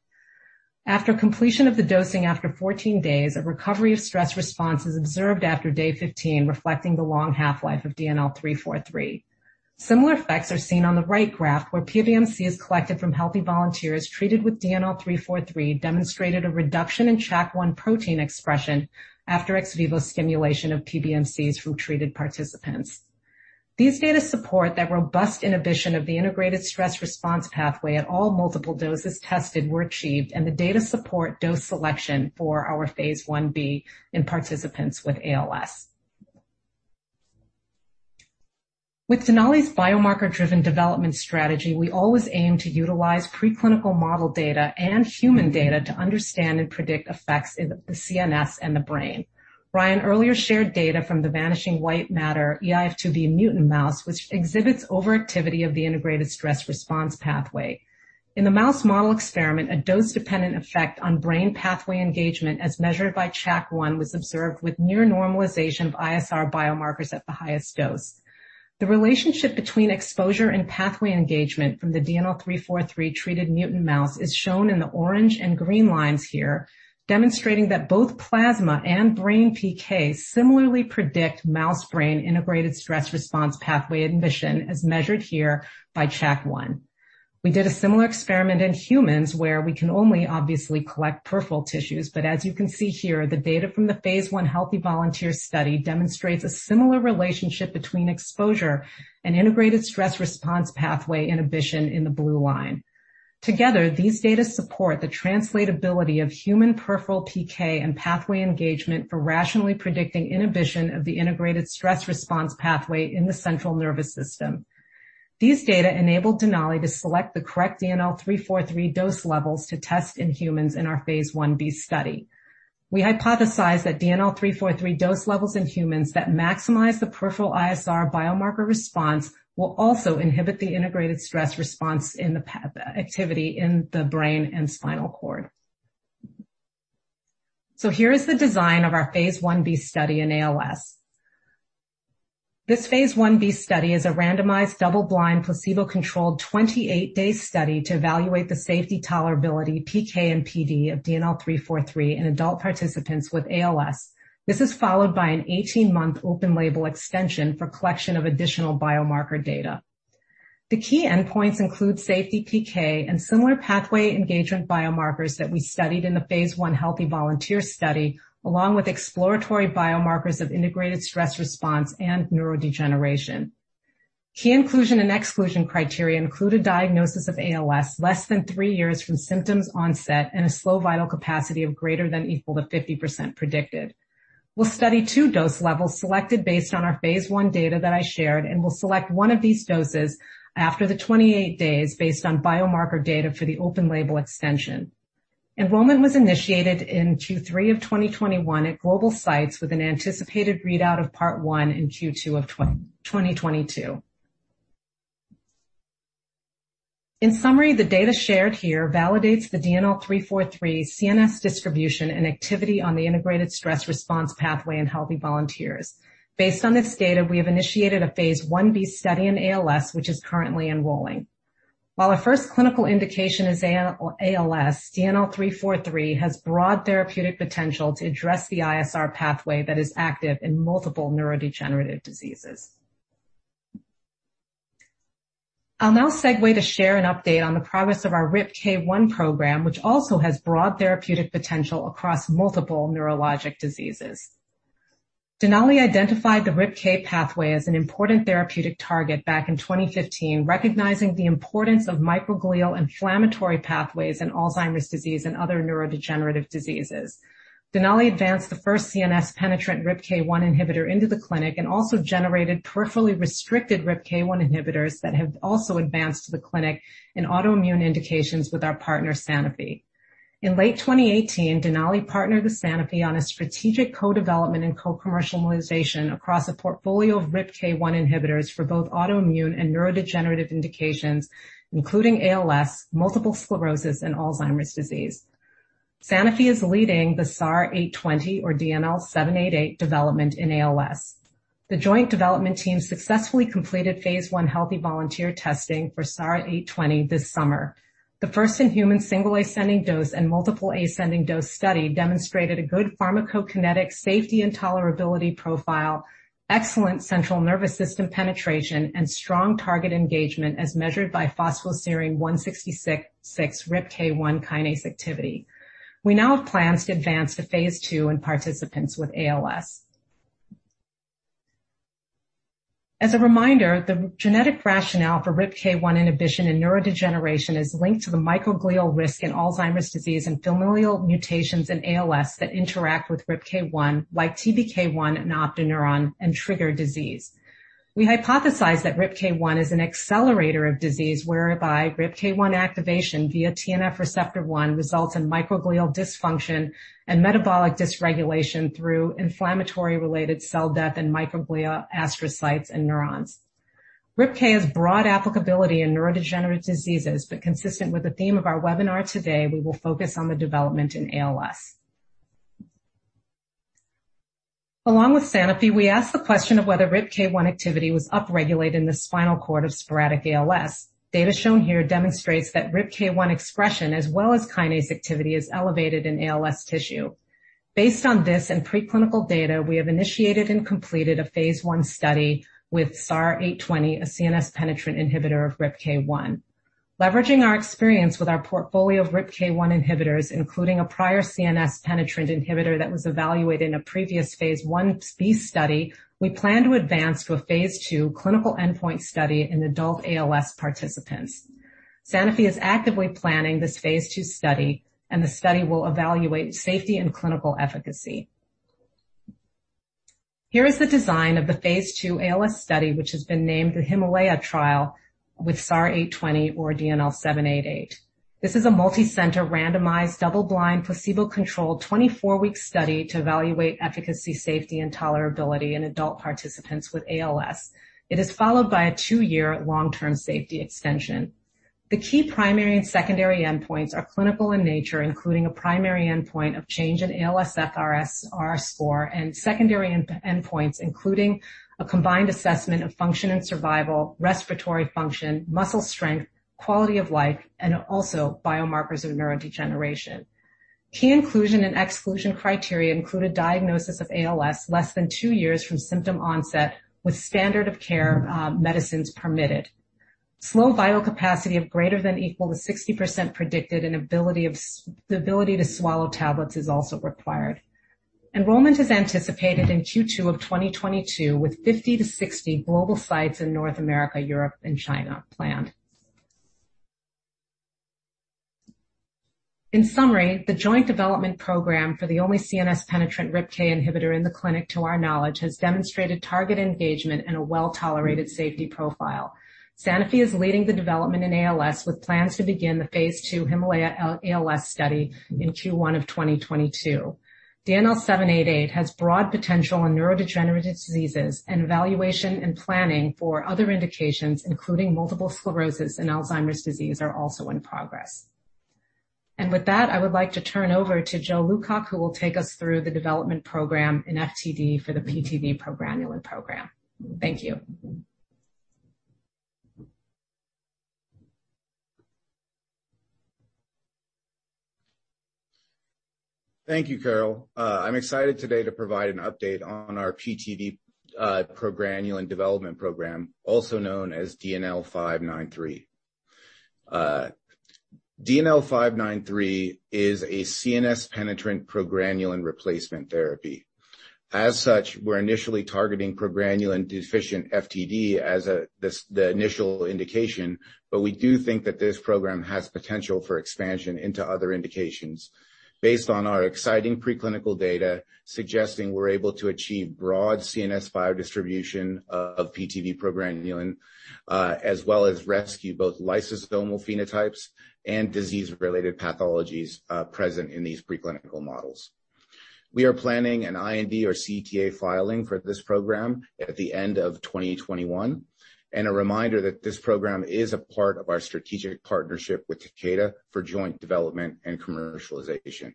After completion of the dosing after 14 days, a recovery of stress response is observed after day 15, reflecting the long half-life of DNL343. Similar effects are seen on the right graph, where PBMCs collected from healthy volunteers treated with DNL343 demonstrated a reduction in CHAC1 protein expression after ex vivo stimulation of PBMCs from treated participants. These data support that robust inhibition of the integrated stress response pathway at all multiple doses tested were achieved, and the data support dose selection for our phase I-B in participants with ALS. With Denali's biomarker-driven development strategy, we always aim to utilize preclinical model data and human data to understand and predict effects in the CNS and the brain. Ryan Watts earlier shared data from the Vanishing White Matter eIF2B mutant mouse, which exhibits overactivity of the integrated stress response pathway. In the mouse model experiment, a dose-dependent effect on brain pathway engagement, as measured by CHAC1, was observed with near normalization of ISR biomarkers at the highest dose. The relationship between exposure and pathway engagement from the DNL343-treated mutant mouse is shown in the orange and green lines here, demonstrating that both plasma and brain PK similarly predict mouse brain integrated stress response pathway inhibition, as measured here by CHAC1. We did a similar experiment in humans, where we can only obviously collect peripheral tissues. As you can see here, the data from the phase I healthy volunteer study demonstrates a similar relationship between exposure and integrated stress response pathway inhibition in the blue line. Together, these data support the translatability of human peripheral PK and pathway engagement for rationally predicting inhibition of the integrated stress response pathway in the central nervous system. These data enabled Denali to select the correct DNL343 dose levels to test in humans in our phase I-B study. We hypothesize that DNL343 dose levels in humans that maximize the peripheral ISR biomarker response will also inhibit the integrated stress response in the path activity in the brain and spinal cord. Here is the design of our phase I-B study in ALS. This phase I-B study is a randomized, double-blind, placebo-controlled 28-day study to evaluate the safety tolerability, PK, and PD of DNL343 in adult participants with ALS. This is followed by an 18-month open-label extension for collection of additional biomarker data. The key endpoints include safety PK and similar pathway engagement biomarkers that we studied in the phase I healthy volunteer study, along with exploratory biomarkers of integrated stress response and neurodegeneration. Key inclusion and exclusion criteria include a diagnosis of ALS less than three years from symptoms onset and a slow vital capacity of greater than equal to 50% predicted. We'll study two dose levels selected based on our phase I data that I shared, and we'll select one of these doses after the 28 days based on biomarker data for the open-label extension. Enrollment was initiated in Q3 of 2021 at global sites with an anticipated readout of part 1 in Q2 of 2022. In summary, the data shared here validates the DNL343 CNS distribution and activity on the integrated stress response pathway in healthy volunteers. Based on this data, we have initiated a phase I-B study in ALS, which is currently enrolling. While our first clinical indication is ALS, DNL343 has broad therapeutic potential to address the ISR pathway that is active in multiple neurodegenerative diseases. I'll now segue to share an update on the progress of our RIPK1 program, which also has broad therapeutic potential across multiple neurologic diseases. Denali identified the RIPK pathway as an important therapeutic target back in 2015, recognizing the importance of microglial inflammatory pathways in Alzheimer's disease and other neurodegenerative diseases. Denali advanced the first CNS penetrant RIPK1 inhibitor into the clinic and also generated peripherally restricted RIPK1 inhibitors that have also advanced to the clinic in autoimmune indications with our partner, Sanofi. In late 2018, Denali partnered with Sanofi on a strategic co-development and co-commercialization across a portfolio of RIPK1 inhibitors for both autoimmune and neurodegenerative indications, including ALS, multiple sclerosis, and Alzheimer's disease. Sanofi is leading the SAR 443820 or DNL788 development in ALS. The joint development team successfully completed phase I healthy volunteer testing for 443820 this summer. The first-in-human single ascending dose and multiple ascending dose study demonstrated a good pharmacokinetic safety and tolerability profile, excellent central nervous system penetration, and strong target engagement as measured by phospho-serine 166 RIPK1 kinase activity. We now have plans to advance to phase II in participants with ALS. As a reminder, the genetic rationale for RIPK1 inhibition in neurodegeneration is linked to the microglial risk in Alzheimer's disease and familial mutations in ALS that interact with RIPK1, like TBK1 and optineurin, and trigger disease. We hypothesize that RIPK1 is an accelerator of disease whereby RIPK1 activation via TNF receptor 1 results in microglial dysfunction and metabolic dysregulation through inflammatory related cell death in microglia, astrocytes, and neurons. RIPK has broad applicability in neurodegenerative diseases, consistent with the theme of our webinar today, we will focus on the development in ALS. Along with Sanofi, we asked the question of whether RIPK1 activity was upregulated in the spinal cord of sporadic ALS. Data shown here demonstrates that RIPK1 expression, as well as kinase activity, is elevated in ALS tissue. Based on this and preclinical data, we have initiated and completed a phase I study with SAR 820, a CNS-penetrant inhibitor of RIPK1. Leveraging our experience with our portfolio of RIPK1 inhibitors, including a prior CNS-penetrant inhibitor that was evaluated in a previous phase I-B study, we plan to advance to a phase II clinical endpoint study in adult ALS participants. Sanofi is actively planning this phase II study, and the study will evaluate safety and clinical efficacy. Here is the design of the phase II ALS study, which has been named the HIMALAYA trial, with SAR 820, or DNL788. This is a multicenter, randomized, double-blind, placebo-controlled 24-week study to evaluate efficacy, safety, and tolerability in adult participants with ALS. It is followed by a two-year long-term safety extension. The key primary and secondary endpoints are clinical in nature, including a primary endpoint of change in ALSFRS-R score and secondary endpoints, including a combined assessment of function and survival, respiratory function, muscle strength, quality of life, and also biomarkers of neurodegeneration. Key inclusion and exclusion criteria include a diagnosis of ALS less than two years from symptom onset, with standard of care medicines permitted. Slow vital capacity of greater than equal to 60% predicted and the ability to swallow tablets is also required. Enrollment is anticipated in Q2 of 2022, with 50 to 60 global sites in North America, Europe, and China planned. In summary, the joint development program for the only CNS-penetrant RIPK1 inhibitor in the clinic, to our knowledge, has demonstrated target engagement and a well-tolerated safety profile. Sanofi is leading the development in ALS, with plans to begin the phase II HIMALAYA ALS study in Q1 of 2022. DNL788 has broad potential in neurodegenerative diseases, and evaluation and planning for other indications, including multiple sclerosis and Alzheimer's disease, are also in progress. With that, I would like to turn over to Joe Lewcock, who will take us through the development program in FTD for the PTV:PGRN program. Thank you. Thank you, Carole. I'm excited today to provide an update on our PTV Progranulin development program, also known as DNL593. DNL593 is a CNS-penetrant progranulin replacement therapy. As such, we're initially targeting progranulin-deficient FTD as the initial indication, but we do think that this program has potential for expansion into other indications based on our exciting preclinical data suggesting we're able to achieve broad CNS biodistribution of PTV Progranulin, as well as rescue both lysosomal phenotypes and disease-related pathologies present in these preclinical models. We are planning an IND or CTA filing for this program at the end of 2021. A reminder that this program is a part of our strategic partnership with Takeda for joint development and commercialization.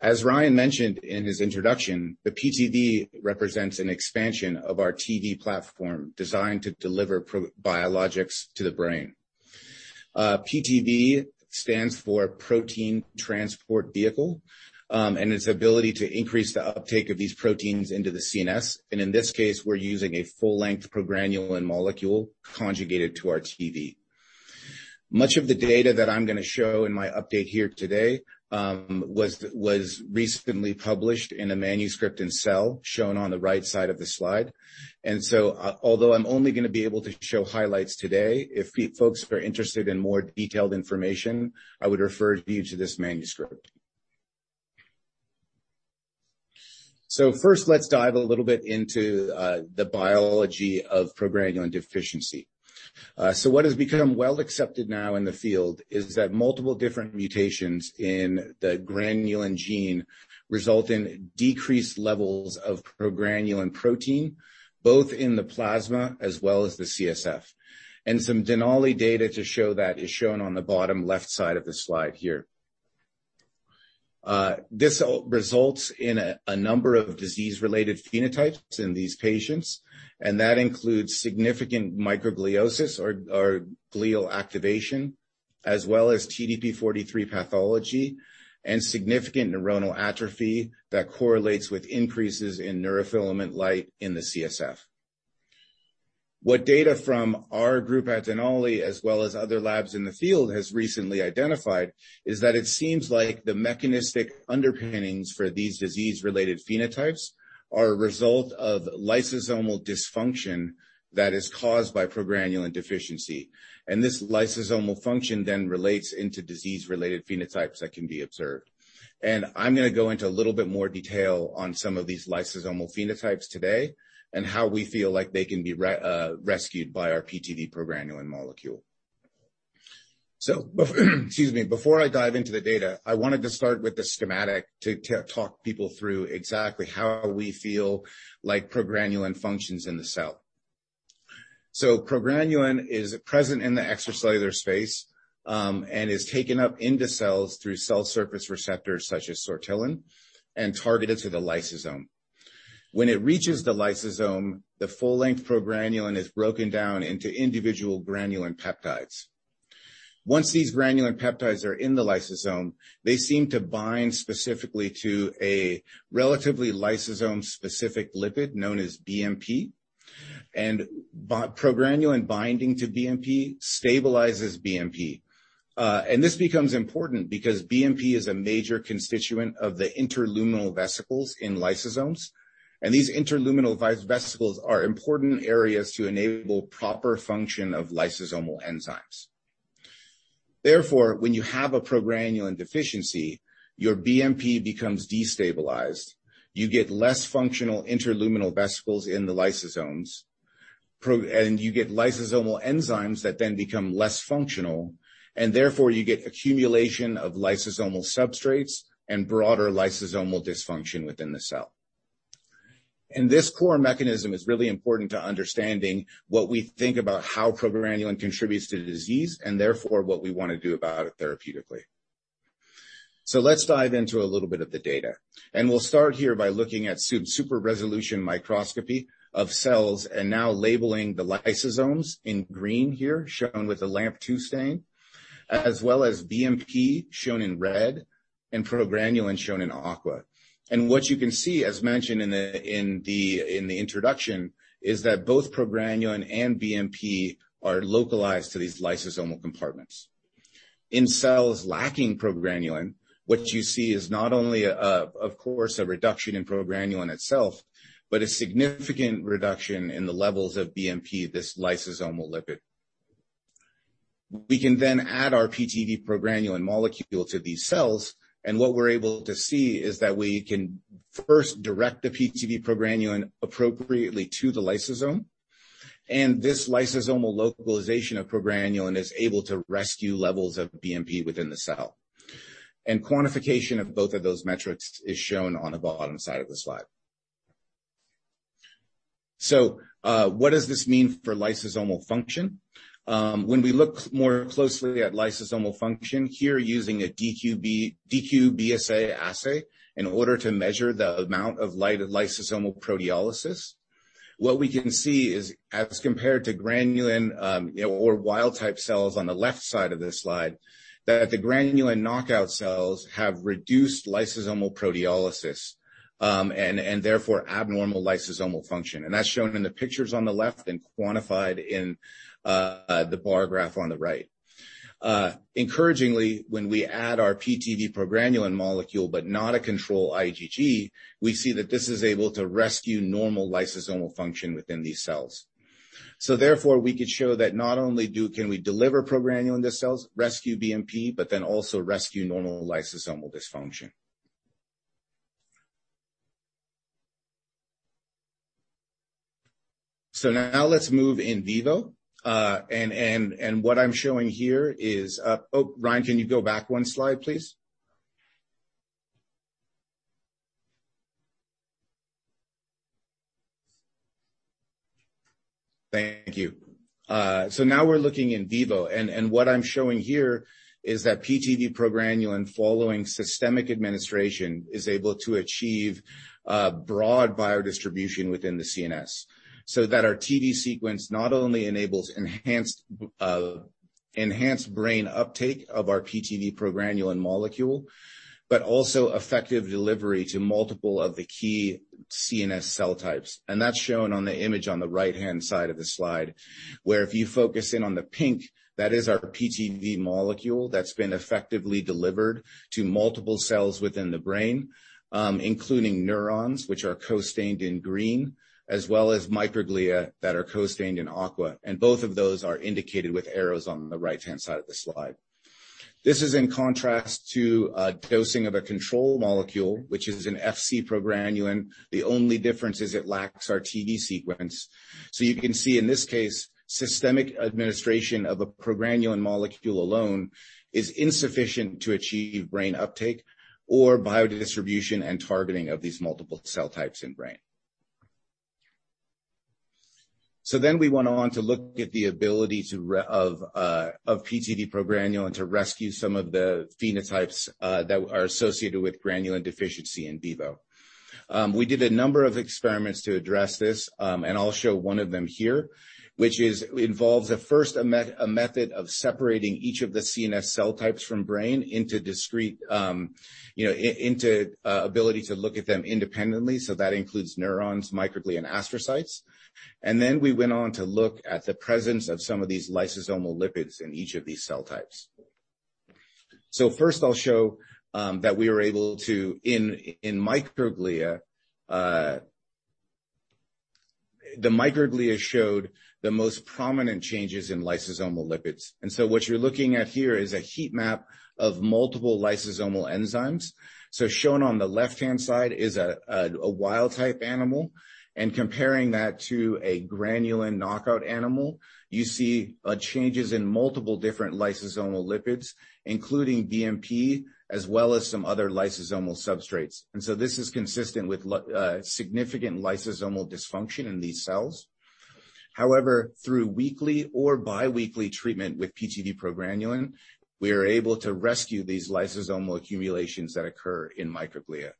As Ryan mentioned in his introduction, the PTV represents an expansion of our TV platform designed to deliver biologics to the brain. PTV stands for Protein Transport Vehicle, and its ability to increase the uptake of these proteins into the CNS, and in this case, we're using a full-length progranulin molecule conjugated to our TV. Much of the data that I'm going to show in my update here today was recently published in a manuscript in "Cell," shown on the right side of the slide. Although I'm only going to be able to show highlights today, if folks are interested in more detailed information, I would refer you to this manuscript. First, let's dive a little bit into the biology of progranulin deficiency. What has become well accepted now in the field is that multiple different mutations in the granulin gene result in decreased levels of progranulin protein, both in the plasma as well as the CSF. Some Denali data to show that is shown on the bottom left side of the slide here. This results in a number of disease-related phenotypes in these patients, that includes significant microgliosis or glial activation, as well as TDP-43 pathology and significant neuronal atrophy that correlates with increases in neurofilament light in the CSF. What data from our group at Denali, as well as other labs in the field, has recently identified is that it seems like the mechanistic underpinnings for these disease-related phenotypes are a result of lysosomal dysfunction that is caused by progranulin deficiency. This lysosomal function relates into disease-related phenotypes that can be observed. I'm going to go into a little bit more detail on some of these lysosomal phenotypes today and how we feel like they can be rescued by our PTV progranulin molecule. Excuse me. Before I dive into the data, I wanted to start with the schematic to talk people through exactly how we feel like progranulin functions in the cell. progranulin is present in the extracellular space, and is taken up into cells through cell surface receptors such as sortilin and targeted to the lysosome. When it reaches the lysosome, the full-length progranulin is broken down into individual granulin peptides. Once these granulin peptides are in the lysosome, they seem to bind specifically to a relatively lysosome-specific lipid known as BMP. progranulin binding to BMP stabilizes BMP. This becomes important because BMP is a major constituent of the interluminal vesicles in lysosomes. These interluminal vesicles are important areas to enable proper function of lysosomal enzymes. Therefore, when you have a progranulin deficiency, your BMP becomes destabilized. You get less functional interluminal vesicles in the lysosomes, and you get lysosomal enzymes that then become less functional, and therefore you get accumulation of lysosomal substrates and broader lysosomal dysfunction within the cell. This core mechanism is really important to understanding what we think about how progranulin contributes to disease, and therefore what we want to do about it therapeutically. Let's dive into a little bit of the data, and we'll start here by looking at super-resolution microscopy of cells and now labeling the lysosomes in green here, shown with a LAMP2 stain, as well as BMP, shown in red, and progranulin shown in aqua. What you can see, as mentioned in the introduction, is that both progranulin and BMP are localized to these lysosomal compartments. In cells lacking progranulin, what you see is not only, of course, a reduction in progranulin itself, but a significant reduction in the levels of BMP, this lysosomal lipid. We can add our PTV progranulin molecule to these cells, and what we're able to see is that we can first direct the PTV progranulin appropriately to the lysosome, and this lysosomal localization of progranulin is able to rescue levels of BMP within the cell. Quantification of both of those metrics is shown on the bottom side of the slide. What does this mean for lysosomal function? When we look more closely at lysosomal function, here using a DQ-BSA assay, in order to measure the amount of lysosomal proteolysis, what we can see is, as compared to granulin or wild-type cells on the left side of this slide, that the granulin knockout cells have reduced lysosomal proteolysis, and therefore abnormal lysosomal function. That's shown in the pictures on the left and quantified in the bar graph on the right. Encouragingly, when we add our PTV progranulin molecule, but not a control IgG, we see that this is able to rescue normal lysosomal function within these cells. Therefore, we could show that not only can we deliver progranulin to cells, rescue BMP, also rescue normal lysosomal function. Now let's move in vivo. What I'm showing here is. Oh, Ryan, can you go back one slide, please? Thank you. Now we're looking in vivo, and what I'm showing here is that PTV progranulin following systemic administration is able to achieve broad biodistribution within the CNS. That our TV sequence not only enables enhanced brain uptake of our PTV progranulin molecule, but also effective delivery to multiple of the key CNS cell types. That's shown on the image on the right-hand side of the slide, where if you focus in on the pink, that is our PTV molecule that's been effectively delivered to multiple cells within the brain, including neurons, which are co-stained in green, as well as microglia that are co-stained in aqua. Both of those are indicated with arrows on the right-hand side of the slide. This is in contrast to dosing of a control molecule, which is an Fc-progranulin. The only difference is it lacks our TV sequence. You can see in this case, systemic administration of a progranulin molecule alone is insufficient to achieve brain uptake or biodistribution and targeting of these multiple cell types in brain. Then we went on to look at the ability of PTV progranulin to rescue some of the phenotypes that are associated with granulin deficiency in vivo. We did a number of experiments to address this, and I'll show one of them here, which involves at first, a method of separating each of the CNS cell types from brain into ability to look at them independently, so that includes neurons, microglia, and astrocytes. Then we went on to look at the presence of some of these lysosomal lipids in each of these cell types. First I'll show that the microglia showed the most prominent changes in lysosomal lipids. What you're looking at here is a heat map of multiple lysosomal enzymes. Shown on the left-hand side is a wild-type animal, and comparing that to a granulin knockout animal. You see changes in multiple different lysosomal lipids, including VMP, as well as some other lysosomal substrates. This is consistent with significant lysosomal dysfunction in these cells. However, through weekly or biweekly treatment with PTV progranulin, we are able to rescue these lysosomal accumulations that occur in microglia.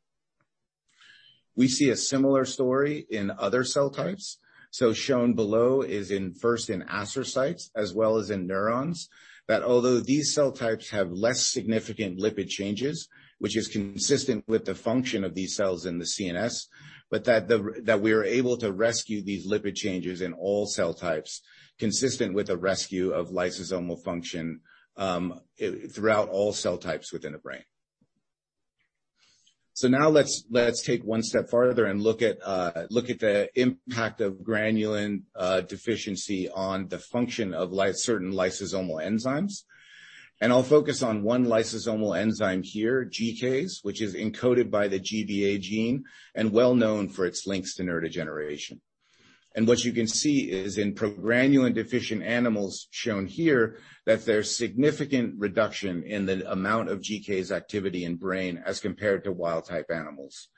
We see a similar story in other cell types. Shown below is first in astrocytes, as well as in neurons, that although these cell types have less significant lipid changes, which is consistent with the function of these cells in the CNS, but that we are able to rescue these lipid changes in all cell types, consistent with a rescue of lysosomal function throughout all cell types within the brain. Now let's take one step further and look at the impact of granulin deficiency on the function of certain lysosomal enzymes. I'll focus on one lysosomal enzyme here, GCase, which is encoded by the GBA gene and well known for its links to neurodegeneration. What you can see is in progranulin-deficient animals shown here, that there's significant reduction in the amount of GCase activity in brain as compared to wild-type animals.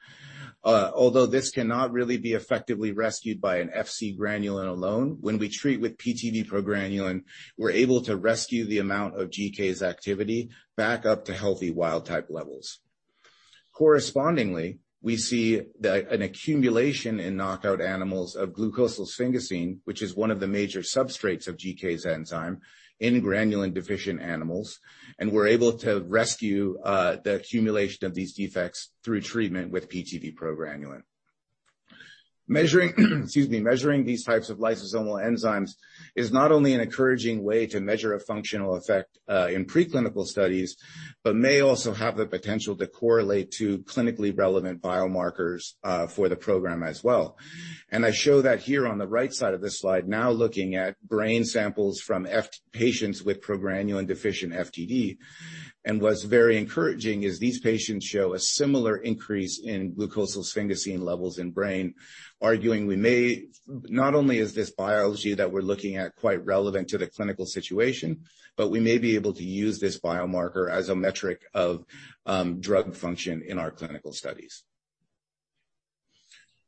This cannot really be effectively rescued by an Fc-progranulin alone, when we treat with PTV progranulin, we're able to rescue the amount of GCase activity back up to healthy wild-type levels. Correspondingly, we see an accumulation in knockout animals of glucosylsphingosine, which is one of the major substrates of GCase enzyme in granulin-deficient animals, and we're able to rescue the accumulation of these defects through treatment with PTV progranulin. Measuring these types of lysosomal enzymes is not only an encouraging way to measure a functional effect in preclinical studies, but may also have the potential to correlate to clinically relevant biomarkers for the program as well. I show that here on the right side of this slide now looking at brain samples from patients with progranulin deficient FTD. What's very encouraging is these patients show a similar increase in glucosylsphingosine levels in brain, arguing not only is this biology that we're looking at quite relevant to the clinical situation, but we may be able to use this biomarker as a metric of drug function in our clinical studies.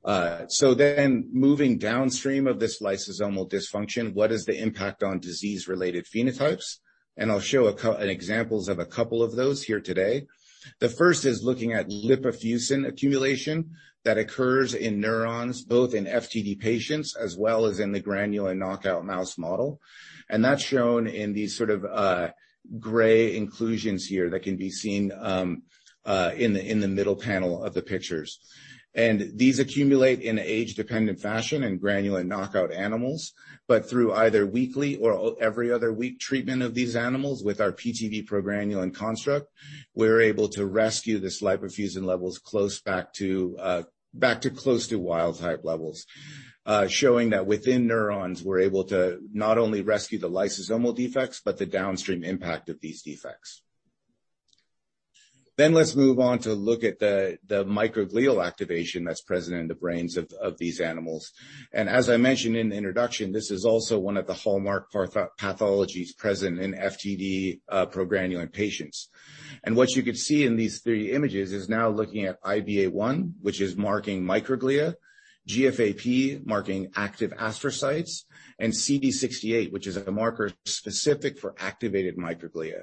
Moving downstream of this lysosomal dysfunction, what is the impact on disease-related phenotypes? I'll show examples of a couple of those here today. The first is looking at lipofuscin accumulation that occurs in neurons, both in FTD patients as well as in the granulin knockout mouse model. That's shown in these gray inclusions here that can be seen in the middle panel of the pictures. These accumulate in age-dependent fashion in granulin knockout animals. Through either weekly or every other week treatment of these animals with our PTV progranulin construct, we are able to rescue these lipofuscin levels back to close to wild type levels. Showing that within neurons, we are able to not only rescue the lysosomal defects, but the downstream impact of these defects. Let's move on to look at the microglial activation that is present in the brains of these animals. As I mentioned in the introduction, this is also one of the hallmark pathologies present in FTD progranulin patients. What you can see in these three images is now looking at IBA1, which is marking microglia, GFAP marking active astrocytes, and CD68, which is a marker specific for activated microglia.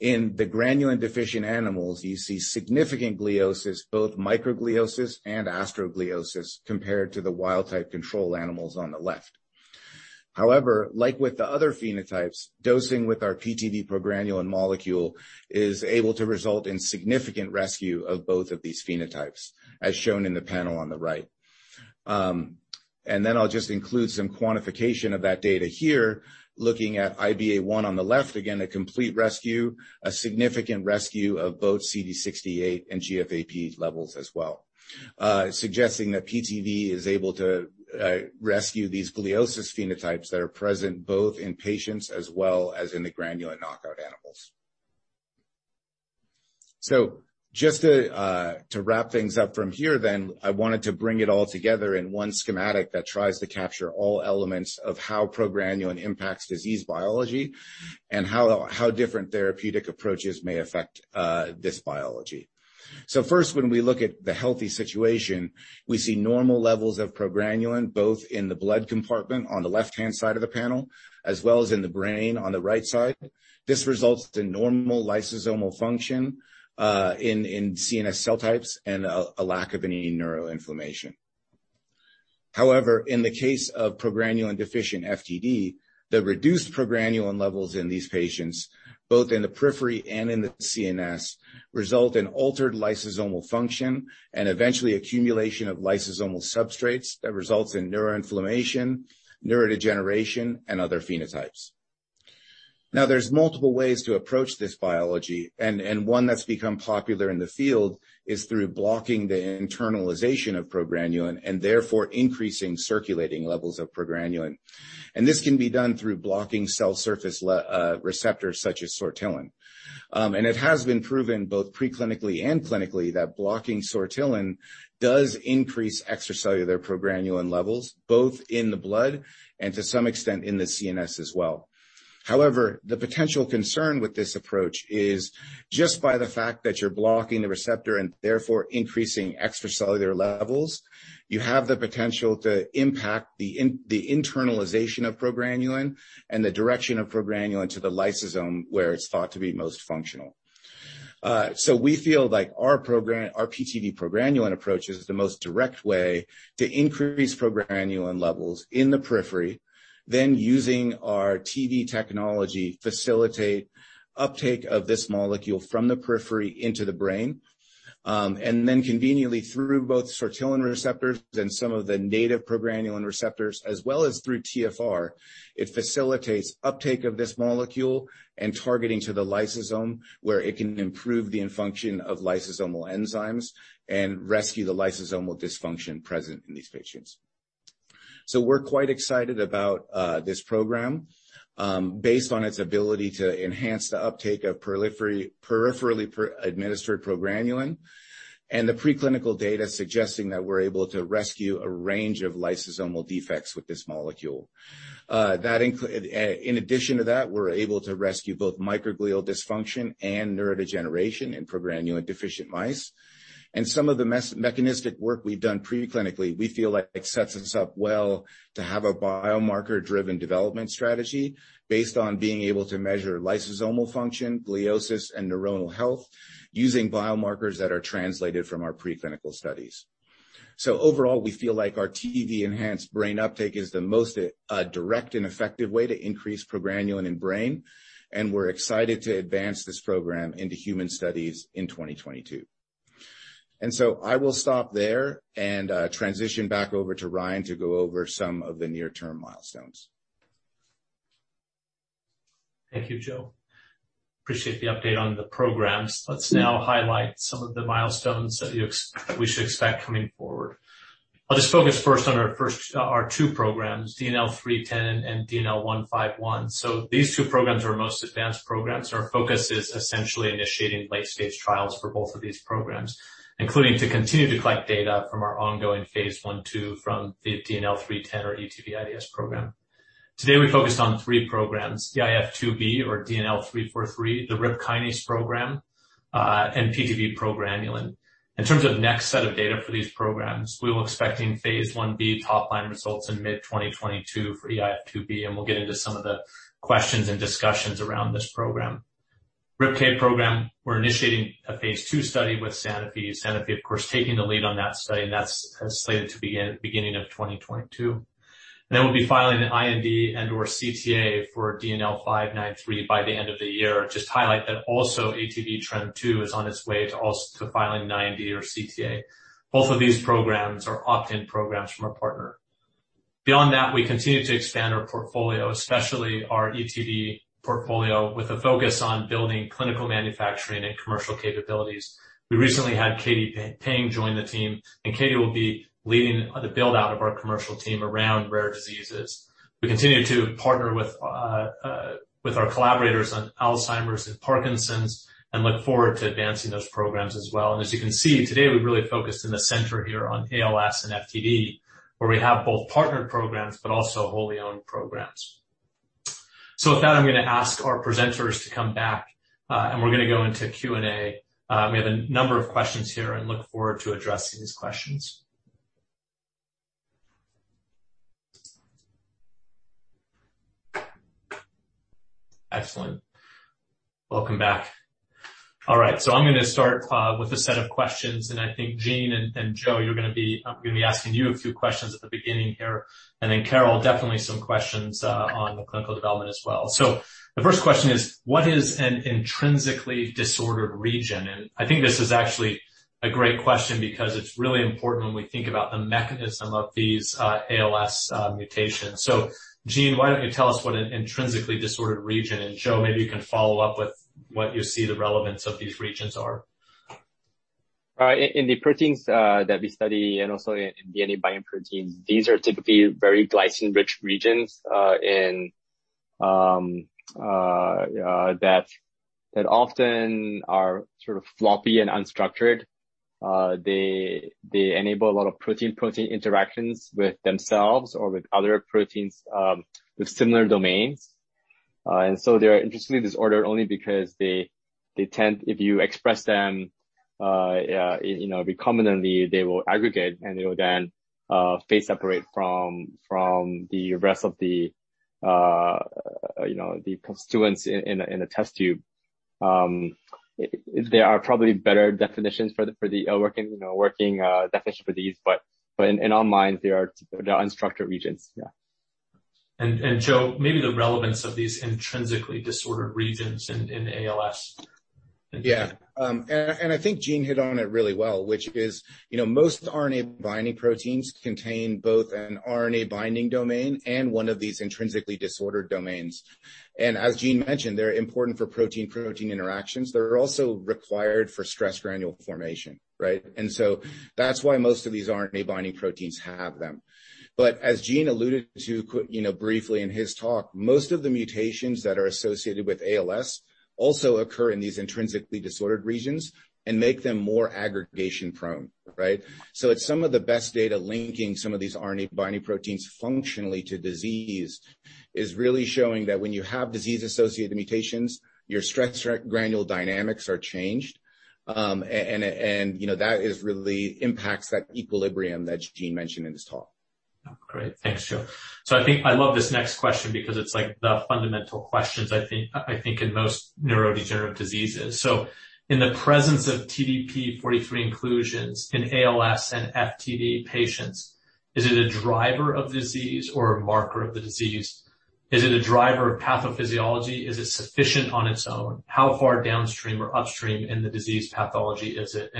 In the progranulin deficient animals, you see significant gliosis, both microgliosis and astrogliosis, compared to the wild-type control animals on the left. However, like with the other phenotypes, dosing with our PTV:PGRN molecule is able to result in significant rescue of both of these phenotypes, as shown in the panel on the right. Then I'll just include some quantification of that data here, looking at IBA1 on the left. Again, a complete rescue, a significant rescue of both CD68 and GFAP levels as well. Suggesting that PTV is able to rescue these gliosis phenotypes that are present both in patients as well as in the progranulin knockout animals. Just to wrap things up from here then, I wanted to bring it all together in one schematic that tries to capture all elements of how progranulin impacts disease biology and how different therapeutic approaches may affect this biology. First, when we look at the healthy situation, we see normal levels of progranulin, both in the blood compartment on the left-hand side of the panel, as well as in the brain on the right side. This results in normal lysosomal function in CNS cell types and a lack of any neuroinflammation. However, in the case of progranulin deficient FTD, the reduced progranulin levels in these patients, both in the periphery and in the CNS, result in altered lysosomal function and eventually accumulation of lysosomal substrates that results in neuroinflammation, neurodegeneration, and other phenotypes. There's multiple ways to approach this biology, and one that's become popular in the field is through blocking the internalization of progranulin, and therefore increasing circulating levels of progranulin. This can be done through blocking cell surface receptors such as sortilin. It has been proven both pre-clinically and clinically that blocking sortilin does increase extracellular progranulin levels, both in the blood and to some extent in the CNS as well. However, the potential concern with this approach is just by the fact that you're blocking the receptor and therefore increasing extracellular levels, you have the potential to impact the internalization of progranulin and the direction of progranulin to the lysosome, where it's thought to be most functional. We feel like our PTV progranulin approach is the most direct way to increase progranulin levels in the periphery. Using our TV technology, facilitate uptake of this molecule from the periphery into the brain, and then conveniently through both sortilin receptors and some of the native progranulin receptors, as well as through TFR. It facilitates uptake of this molecule and targeting to the lysosome, where it can improve the function of lysosomal enzymes and rescue the lysosomal dysfunction present in these patients. We're quite excited about this program based on its ability to enhance the uptake of peripherally administered progranulin and the preclinical data suggesting that we're able to rescue a range of lysosomal defects with this molecule. In addition to that, we're able to rescue both microglial dysfunction and neurodegeneration in progranulin-deficient mice. Some of the mechanistic work we've done pre-clinically, we feel like it sets us up well to have a biomarker-driven development strategy based on being able to measure lysosomal function, gliosis, and neuronal health using biomarkers that are translated from our pre-clinical studies. Overall, we feel like our TV-enhanced brain uptake is the most direct and effective way to increase progranulin in the brain, and we're excited to advance this program into human studies in 2022. I will stop there and transition back over to Ryan to go over some of the near-term milestones. Thank you, Joe. Appreciate the update on the programs. Let's now highlight some of the milestones that we should expect coming forward. I'll just focus first on our two programs, DNL310 and DNL151. These two programs are our most advanced programs, and our focus is essentially initiating late-stage trials for both of these programs, including to continue to collect data from our ongoing phase I/II from the DNL310 or ETV:IDS program. Today, we focused on three programs, the eIF2B or DNL343, the RIP kinase program, and PTV progranulin. In terms of next set of data for these programs, we're expecting phase I-B top line results in mid 2022 for eIF2B, and we'll get into some of the questions and discussions around this program. RIPK program, we're initiating a phase II study with Sanofi. Sanofi, of course, taking the lead on that study. That's slated to begin at the beginning of 2022. We'll be filing an IND and/or CTA for DNL593 by the end of the year. Just highlight that also ATV:TREM2 is on its way to also filing an IND or CTA. Both of these programs are opt-in programs from our partner. Beyond that, we continue to expand our portfolio, especially our PTV portfolio, with a focus on building clinical manufacturing and commercial capabilities. We recently had Katie Peng join the team, and Katie will be leading the build-out of our commercial team around rare diseases. We continue to partner with our collaborators on Alzheimer's and Parkinson's, and look forward to advancing those programs as well. As you can see, today we've really focused in the center here on ALS and FTD, where we have both partnered programs, but also wholly owned programs. With that, I'm going to ask our presenters to come back, and we're going to go into Q&A. We have a number of questions here and look forward to addressing these questions. Excellent. Welcome back. All right. I'm going to start with a set of questions, and I think, Gene and Joe, I'm going to be asking you a few questions at the beginning here, and then Carol, definitely some questions on the clinical development as well. The first question is, what is an intrinsically disordered region? I think this is actually a great question because it's really important when we think about the mechanism of these ALS mutations. Gene, why don't you tell us what an intrinsically disordered region, and Joe, maybe you can follow up with what you see the relevance of these regions are. In the proteins that we study, and also in DNA binding proteins, these are typically very glycine-rich regions that often are sort of floppy and unstructured. They enable a lot of protein-protein interactions with themselves or with other proteins with similar domains. They're intrinsically disordered only because if you express them recombinantly, they will aggregate, and they will then phase separate from the rest of the constituents in a test tube. There are probably better working definitions for these, but in our minds, they are unstructured regions. Yeah. Joe, maybe the relevance of these intrinsically disordered regions in ALS. Yeah. I think Gene hit on it really well, which is most RNA binding proteins contain both an RNA binding domain and one of these intrinsically disordered domains. As Gene mentioned, they're important for protein-protein interactions. They're also required for stress granule formation. Right? That's why most of these RNA binding proteins have them. As Gene alluded to briefly in his talk, most of the mutations that are associated with ALS also occur in these intrinsically disordered regions and make them more aggregation prone. Right? Some of the best data linking some of these RNA binding proteins functionally to disease is really showing that when you have disease-associated mutations, your stress granule dynamics are changed. That really impacts that equilibrium that Gene mentioned in his talk. Great. Thanks, Joe. I think I love this next question because it's like the fundamental questions, I think, in most neurodegenerative diseases. In the presence of TDP-43 inclusions in ALS and FTD patients, is it a driver of disease or a marker of the disease? Is it a driver of pathophysiology? Is it sufficient on its own? How far downstream or upstream in the disease pathology is it?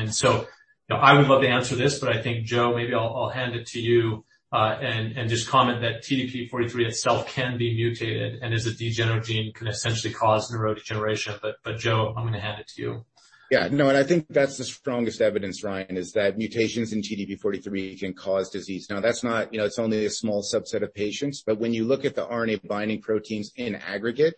I would love to answer this, but I think, Joe, maybe I'll hand it to you, and just comment that TDP-43 itself can be mutated and as a degenerate gee can essentially cause neurodegeneration. Joe, I'm going to hand it to you. Yeah. No, and I think that's the strongest evidence, Ryan, is that mutations in TDP-43 can cause disease. Now, it's only a small subset of patients, but when you look at the RNA binding proteins in aggregate,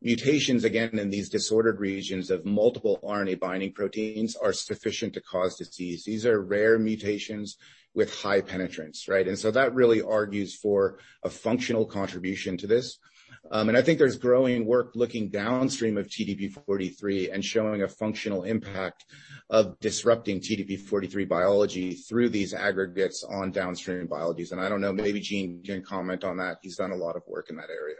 mutations, again, in these disordered regions of multiple RNA binding proteins are sufficient to cause disease. These are rare mutations with high penetrance. Right? That really argues for a functional contribution to this. I think there's growing work looking downstream of TDP-43 and showing a functional impact of disrupting TDP-43 biology through these aggregates on downstream biologies. I don't know, maybe Gene can comment on that. He's done a lot of work in that area.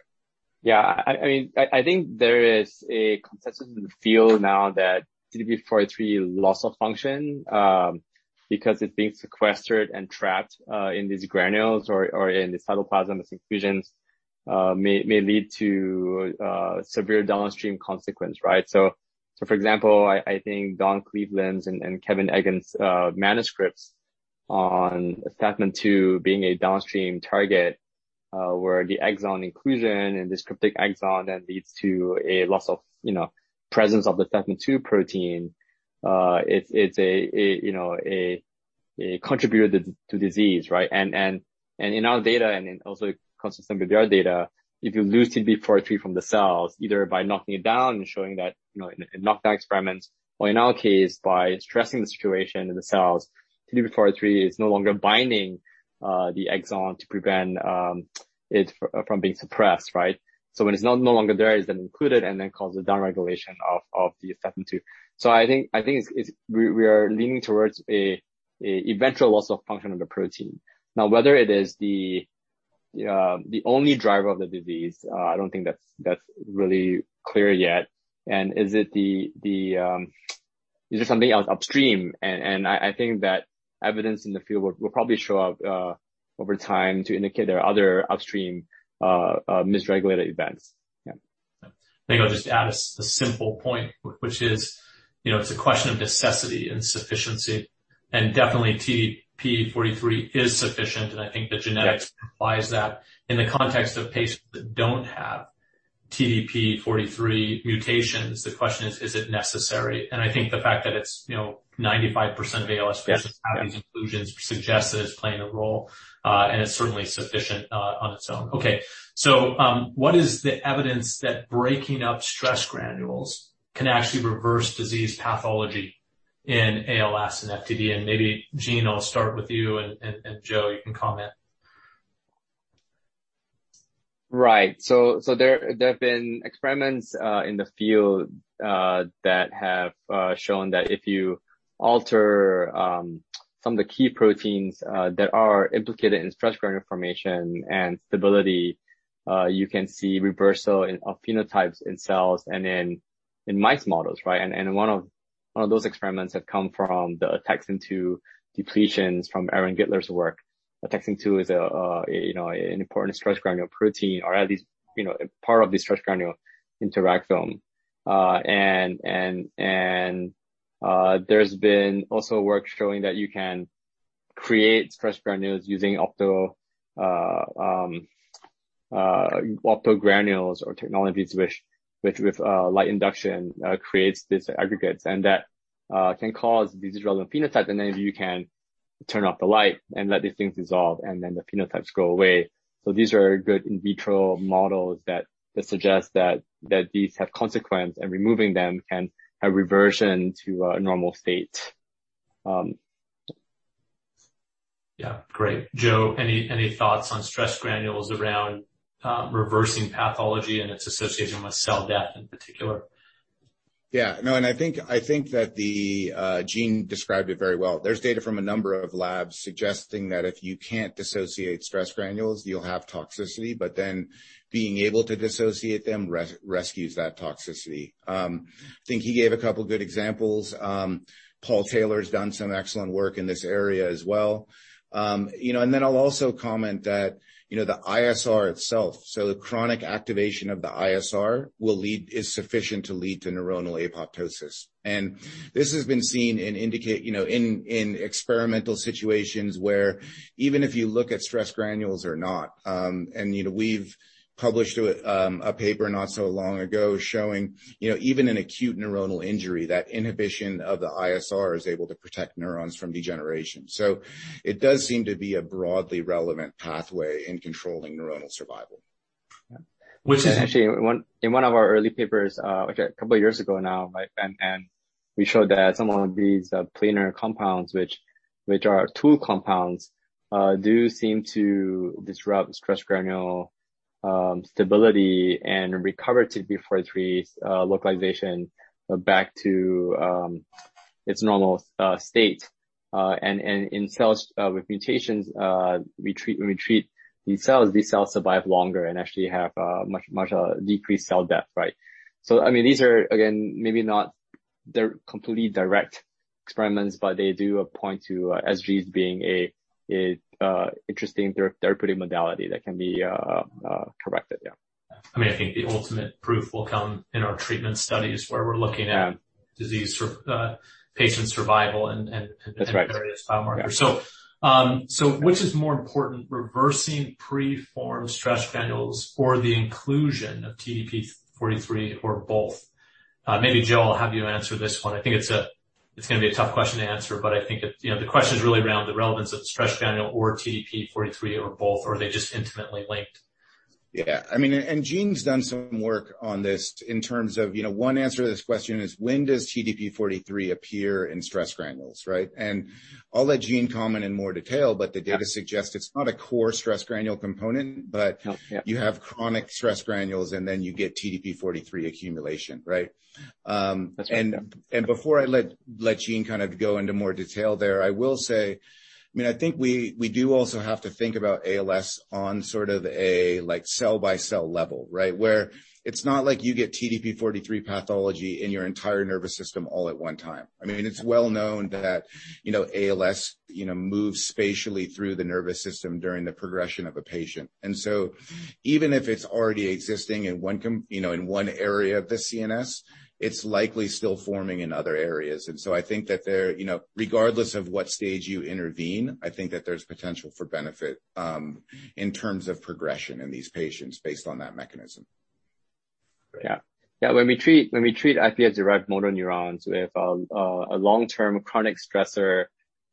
Yeah. I think there is a consensus in the field now that TDP-43 loss of function, because it's being sequestered and trapped in these granules or in the cytoplasm as inclusions, may lead to severe downstream consequence. Right? For example, I think Don Cleveland's and Kevin Eggen's manuscripts on STMN2 being a downstream target, where the exon inclusion and this cryptic exon then leads to a loss of presence of the STMN2 protein, it's a contributor to disease, right? In our data, and then also consistent with your data, if you lose TDP-43 from the cells, either by knocking it down and showing that in knockdown experiments or in our case, by stressing the situation in the cells, TDP-43 is no longer binding the exon to prevent it from being suppressed. Right? When it's no longer there, it's then included and then causes a downregulation of the STMN2. I think we are leaning towards an eventual loss of function of the protein. Now, whether it is the only driver of the disease, I don't think that's really clear yet. Is it something else upstream? I think that evidence in the field will probably show up over time to indicate there are other upstream misregulated events. Yeah. I think I'll just add a simple point, which is, it's a question of necessity and sufficiency, and definitely TDP-43 is sufficient, and I think the genetics implies that. In the context of patients that don't have TDP-43 mutations, the question is it necessary? I think the fact that it's 95% of ALS patients- Yeah have these inclusions suggests that it's playing a role, and it's certainly sufficient on its own. Okay. What is the evidence that breaking up stress granules can actually reverse disease pathology in ALS and FTD? Maybe, Gene, I'll start with you, and, Joe, you can comment. Right. There have been experiments in the field that have shown that if you alter some of the key proteins that are implicated in stress granule formation and stability, you can see reversal in phenotypes in cells and in mice models, right? One of those experiments have come from the ATXN2 depletions from Aaron Gitler's work. ATXN2 is an important stress granule protein, or at least part of the stress granule interactome. There's been also work showing that you can create stress granules using opto-granules or technologies which with light induction creates these aggregates, and that can cause these relevant phenotypes. You can turn off the light and let these things dissolve, and then the phenotypes go away. These are good in vitro models that suggest that these have consequence, and removing them can have reversion to a normal state. Yeah. Great. Joe, any thoughts on stress granules around reversing pathology and its association with cell death in particular? Yeah. No. I think that Gene described it very well. There's data from a number of labs suggesting that if you can't dissociate stress granules, you'll have toxicity. Being able to dissociate them rescues that toxicity. I think he gave a couple good examples. Paul Taylor's done some excellent work in this area as well. I'll also comment that the ISR itself, so the chronic activation of the ISR, is sufficient to lead to neuronal apoptosis. This has been seen in experimental situations where even if you look at stress granules or not. We've published a paper not so long ago showing, even in acute neuronal injury, that inhibition of the ISR is able to protect neurons from degeneration. It does seem to be a broadly relevant pathway in controlling neuronal survival. Which is actually in one of our early papers, two years ago now, my friend and we showed that some of these planar compounds, which are two compounds, do seem to disrupt stress granule stability and recover TDP-43 localization back to its normal state. In cells with mutations, when we treat these cells, these cells survive longer and actually have much decreased cell death. Right? These are, again, maybe not completely direct experiments, but they do point to SGs being a interesting therapeutic modality that can be corrected. I think the ultimate proof will come in our treatment studies where we're looking at. Yeah disease, patient survival. That's right. various biomarkers. Which is more important, reversing pre-formed stress granules or the inclusion of TDP-43, or both? Maybe, Joe, I'll have you answer this one. I think it's going to be a tough question to answer, but I think that the question is really around the relevance of the stress granule or TDP-43 or both, or are they just intimately linked? Yeah. Gene's done some work on this in terms of, one answer to this question is when does TDP-43 appear in stress granules, right? I'll let Gene comment in more detail, but the data suggests it's not a core stress granule component. Oh, yeah. You have chronic stress granules, and then you get TDP-43 accumulation. Right? That's right. Yeah. Before I let Gene kind of go into more detail there, I will say, I think we do also have to think about ALS on sort of a cell by cell level, right? Where it's not like you get TDP-43 pathology in your entire nervous system all at one time. It's well known that ALS moves spatially through the nervous system during the progression of a patient. Even if it's already existing in one area of the CNS, it's likely still forming in other areas. I think that regardless of what stage you intervene, I think that there's potential for benefit in terms of progression in these patients based on that mechanism. Yeah. When we treat iPSC-derived motor neurons with a long-term chronic stressor,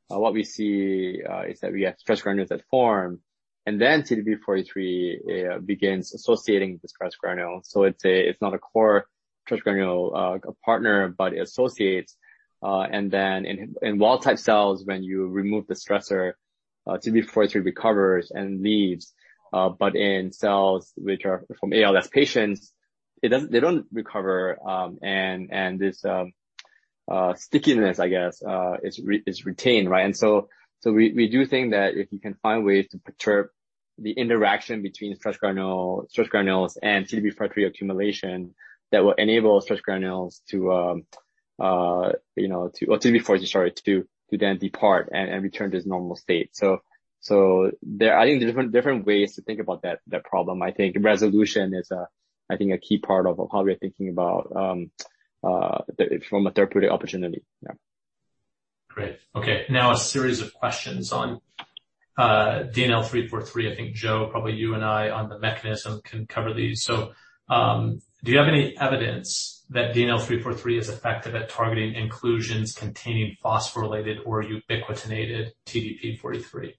what we see is that we have stress granules that form, and then TDP-43 begins associating with the stress granule. It's not a core stress granule partner, but it associates. In wild-type cells, when you remove the stressor, TDP-43 recovers and leaves. In cells which are from ALS patients, they don't recover, and this stickiness, I guess, is retained. Right? We do think that if you can find ways to perturb the interaction between stress granules and TDP-43 accumulation, that will enable stress granules to, or TDP-43, sorry, to then depart and return to its normal state. I think there are different ways to think about that problem. I think resolution is, I think, a key part of how we're thinking about from a therapeutic opportunity. Yeah. Great. Okay. Now a series of questions on DNL 343. I think, Joe, probably you and I on the mechanism can cover these. Do you have any evidence that DNL 343 is effective at targeting inclusions containing phosphorylated or ubiquitinated TDP-43?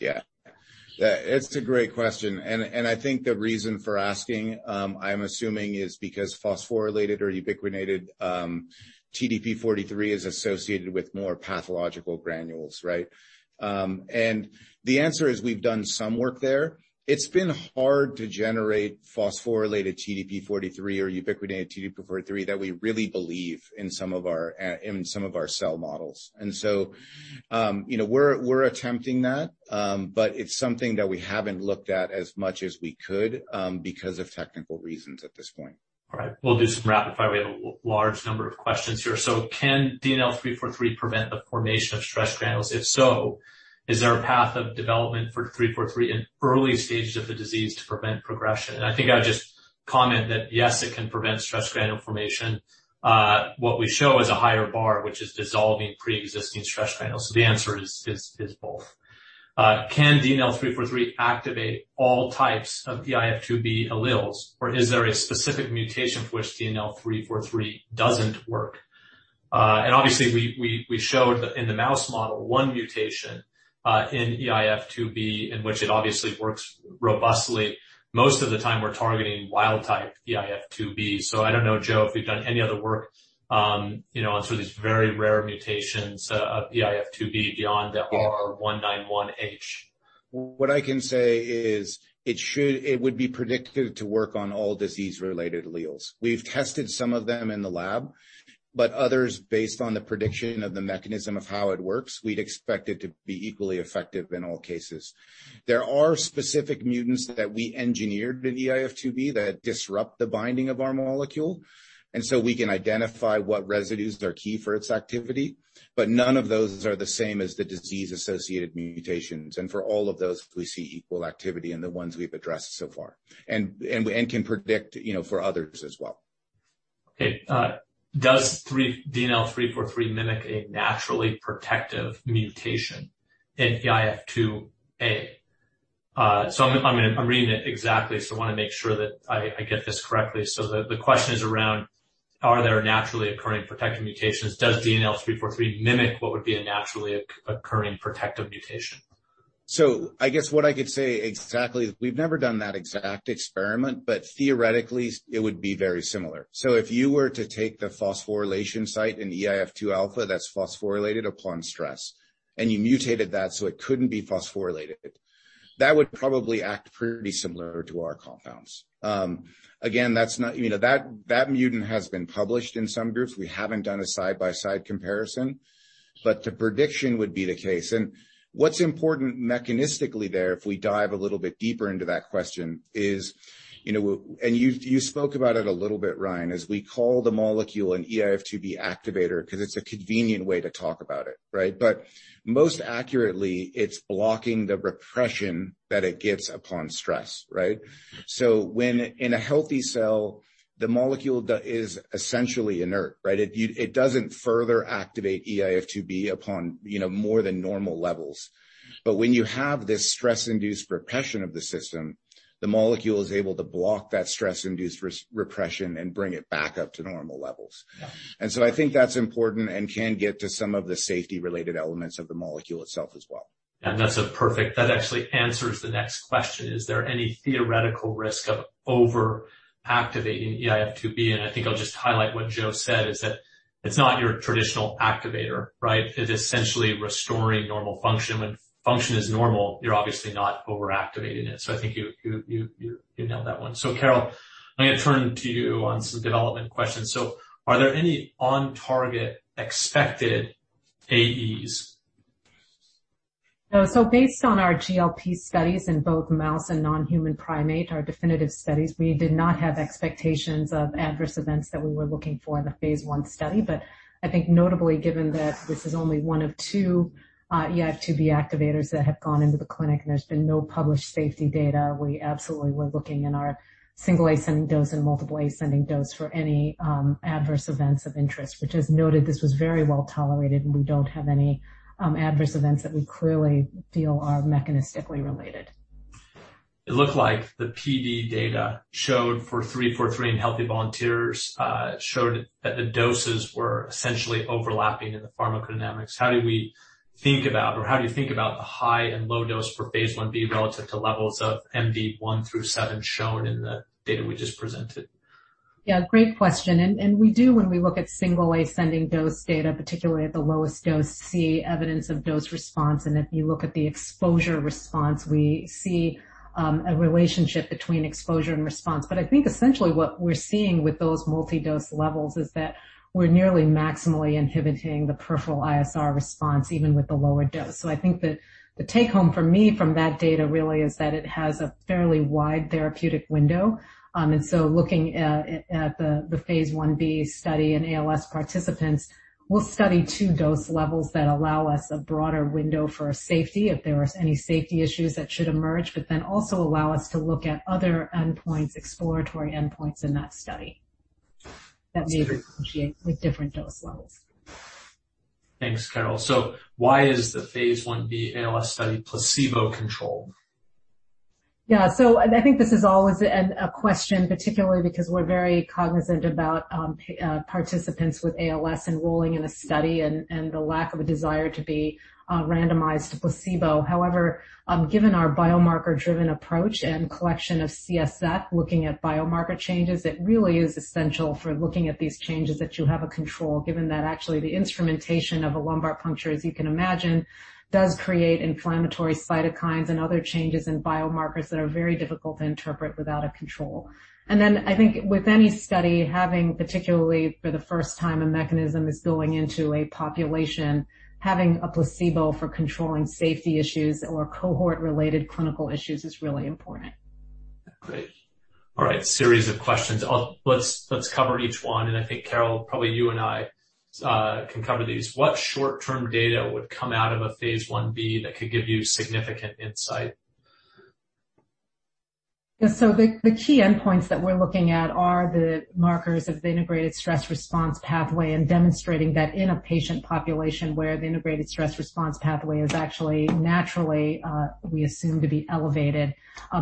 Yeah. It's a great question. I think the reason for asking, I'm assuming, is because phosphorylated or ubiquitinated TDP-43 is associated with more pathological granules, right? The answer is we've done some work there. It's been hard to generate phosphorylated TDP-43 or ubiquitinated TDP-43 that we really believe in some of our cell models. We're attempting that. It's something that we haven't looked at as much as we could because of technical reasons at this point. All right. We'll do some rapid fire. We have a large number of questions here. Can DNL343 prevent the formation of stress granules? If so, is there a path of development for DNL343 in early stages of the disease to prevent progression? I think I would just comment that, yes, it can prevent stress granule formation. What we show is a higher bar, which is dissolving preexisting stress granules. The answer is both. Can DNL343 activate all types of eIF2B alleles, or is there a specific mutation for which DNL343 doesn't work? Obviously we showed in the mouse model one mutation, in eIF2B in which it obviously works robustly. Most of the time we're targeting wild type eIF2B. I don't know, Joe, if we've done any other work on sort of these very rare mutations of eIF2B beyond the R191H. What I can say is it would be predictive to work on all disease-related alleles. We've tested some of them in the lab, but others based on the prediction of the mechanism of how it works, we'd expect it to be equally effective in all cases. There are specific mutants that we engineered in eIF2B that disrupt the binding of our molecule, and so we can identify what residues are key for its activity. None of those are the same as the disease-associated mutations. For all of those, we see equal activity in the ones we've addressed so far and can predict for others as well. Okay. Does DNL343 mimic a naturally protective mutation in eIF2A? I'm reading it exactly, so I want to make sure that I get this correctly. The question is around, are there naturally occurring protective mutations? Does DNL343 mimic what would be a naturally occurring protective mutation? I guess what I could say exactly, we've never done that exact experiment, but theoretically, it would be very similar. If you were to take the phosphorylation site in eIF2A that's phosphorylated upon stress, and you mutated that so it couldn't be phosphorylated, that would probably act pretty similar to our compounds. Again, that mutant has been published in some groups. We haven't done a side-by-side comparison, but the prediction would be the case. What's important mechanistically there, if we dive a little bit deeper into that question is, and you spoke about it a little bit, Ryan, is we call the molecule an eIF2B activator because it's a convenient way to talk about it, right. Most accurately, it's blocking the repression that it gives upon stress, right. When in a healthy cell, the molecule is essentially inert, right. It doesn't further activate eIF2B upon more than normal levels. When you have this stress-induced repression of the system, the molecule is able to block that stress-induced repression and bring it back up to normal levels. Yeah. I think that's important and can get to some of the safety-related elements of the molecule itself as well. That's perfect. That actually answers the next question. Is there any theoretical risk of over-activating eIF2B? I think I'll just highlight what Joe said is that it's not your traditional activator, right? It is essentially restoring normal function. When function is normal, you're obviously not over-activating it. I think you nailed that one. Carol, I'm going to turn to you on some development questions. Are there any on-target expected AEs? Based on our GLP studies in both mouse and non-human primate, our definitive studies, we did not have expectations of adverse events that we were looking for in the phase I study. I think notably, given that this is only one of two eIF2B activators that have gone into the clinic, and there's been no published safety data, we absolutely were looking in our single ascending dose and multiple ascending dose for any adverse events of interest, which is noted. This was very well tolerated, and we don't have any adverse events that we clearly feel are mechanistically related. It looked like the PD data showed for 343 in healthy volunteers, showed that the doses were essentially overlapping in the pharmacodynamics. How do we think about, or how do you think about the high and low dose for phase I-B relative to levels of MD1-7 shown in the data we just presented? Yeah, great question. We do when we look at single ascending dose data, particularly at the lowest dose, see evidence of dose response. If you look at the exposure response, we see a relationship between exposure and response. I think essentially what we're seeing with those multi-dose levels is that we're nearly maximally inhibiting the peripheral ISR response, even with the lower dose. I think that the take-home for me from that data really is that it has a fairly wide therapeutic window. Looking at the phase I-B study in ALS participants, we'll study two dose levels that allow us a broader window for safety if there are any safety issues that should emerge, but then also allow us to look at other endpoints, exploratory endpoints in that study that may differentiate with different dose levels. Thanks, Carole Ho. Why is the phase I-B ALS study placebo-controlled? I think this is always a question, particularly because we're very cognizant about participants with ALS enrolling in a study and the lack of a desire to be randomized to placebo. Given our biomarker-driven approach and collection of CSF, looking at biomarker changes, it really is essential for looking at these changes that you have a control, given that actually the instrumentation of a lumbar puncture, as you can imagine, does create inflammatory cytokines and other changes in biomarkers that are very difficult to interpret without a control. I think with any study having, particularly for the first time, a mechanism is going into a population, having a placebo for controlling safety issues or cohort-related clinical issues is really important. Great. All right. Series of questions. Let's cover each one, and I think, Carole, probably you and I can cover these. What short-term data would come out of a phase I-B that could give you significant insight? The key endpoints that we're looking at are the markers of the integrated stress response pathway and demonstrating that in a patient population where the integrated stress response pathway is actually naturally, we assume to be elevated,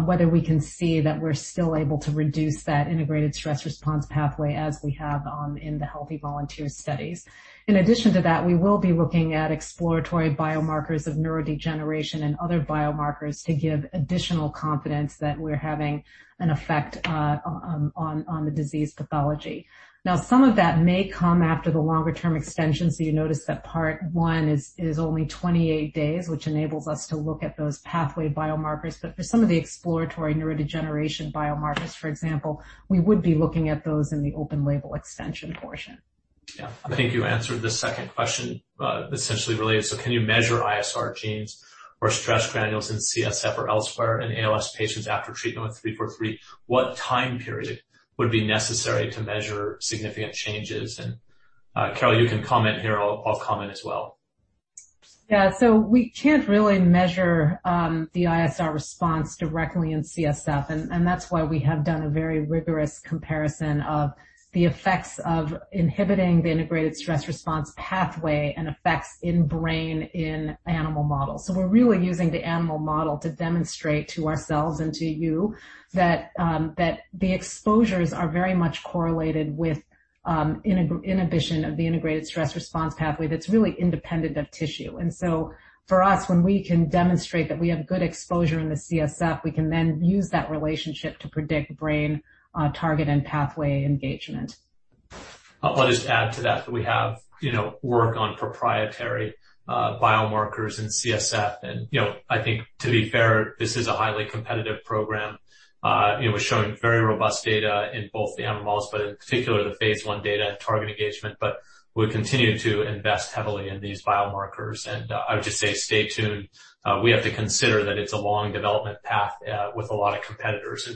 whether we can see that we're still able to reduce that integrated stress response pathway as we have in the healthy volunteer studies. In addition to that, we will be looking at exploratory biomarkers of neurodegeneration and other biomarkers to give additional confidence that we're having an effect on the disease pathology. Now, some of that may come after the longer-term extension. You notice that part one is only 28 days, which enables us to look at those pathway biomarkers. For some of the exploratory neurodegeneration biomarkers, for example, we would be looking at those in the open label extension portion. Yeah. I think you answered the second question, essentially related. Can you measure ISR genes or stress granules in CSF or elsewhere in ALS patients after treatment with 343? What time period would be necessary to measure significant changes? Carole, you can comment here. I'll comment as well. We can't really measure the ISR response directly in CSF, and that's why we have done a very rigorous comparison of the effects of inhibiting the Integrated Stress Response pathway and effects in brain in animal models. We're really using the animal model to demonstrate to ourselves and to you that the exposures are very much correlated with inhibition of the Integrated Stress Response pathway that's really independent of tissue. For us, when we can demonstrate that we have good exposure in the CSF, we can then use that relationship to predict brain target and pathway engagement. I'll just add to that we have work on proprietary biomarkers in CSF, and I think to be fair, this is a highly competitive program. We're showing very robust data in both the animals, but in particular the phase I data and target engagement. We'll continue to invest heavily in these biomarkers, and I would just say stay tuned. We have to consider that it's a long development path with a lot of competitors.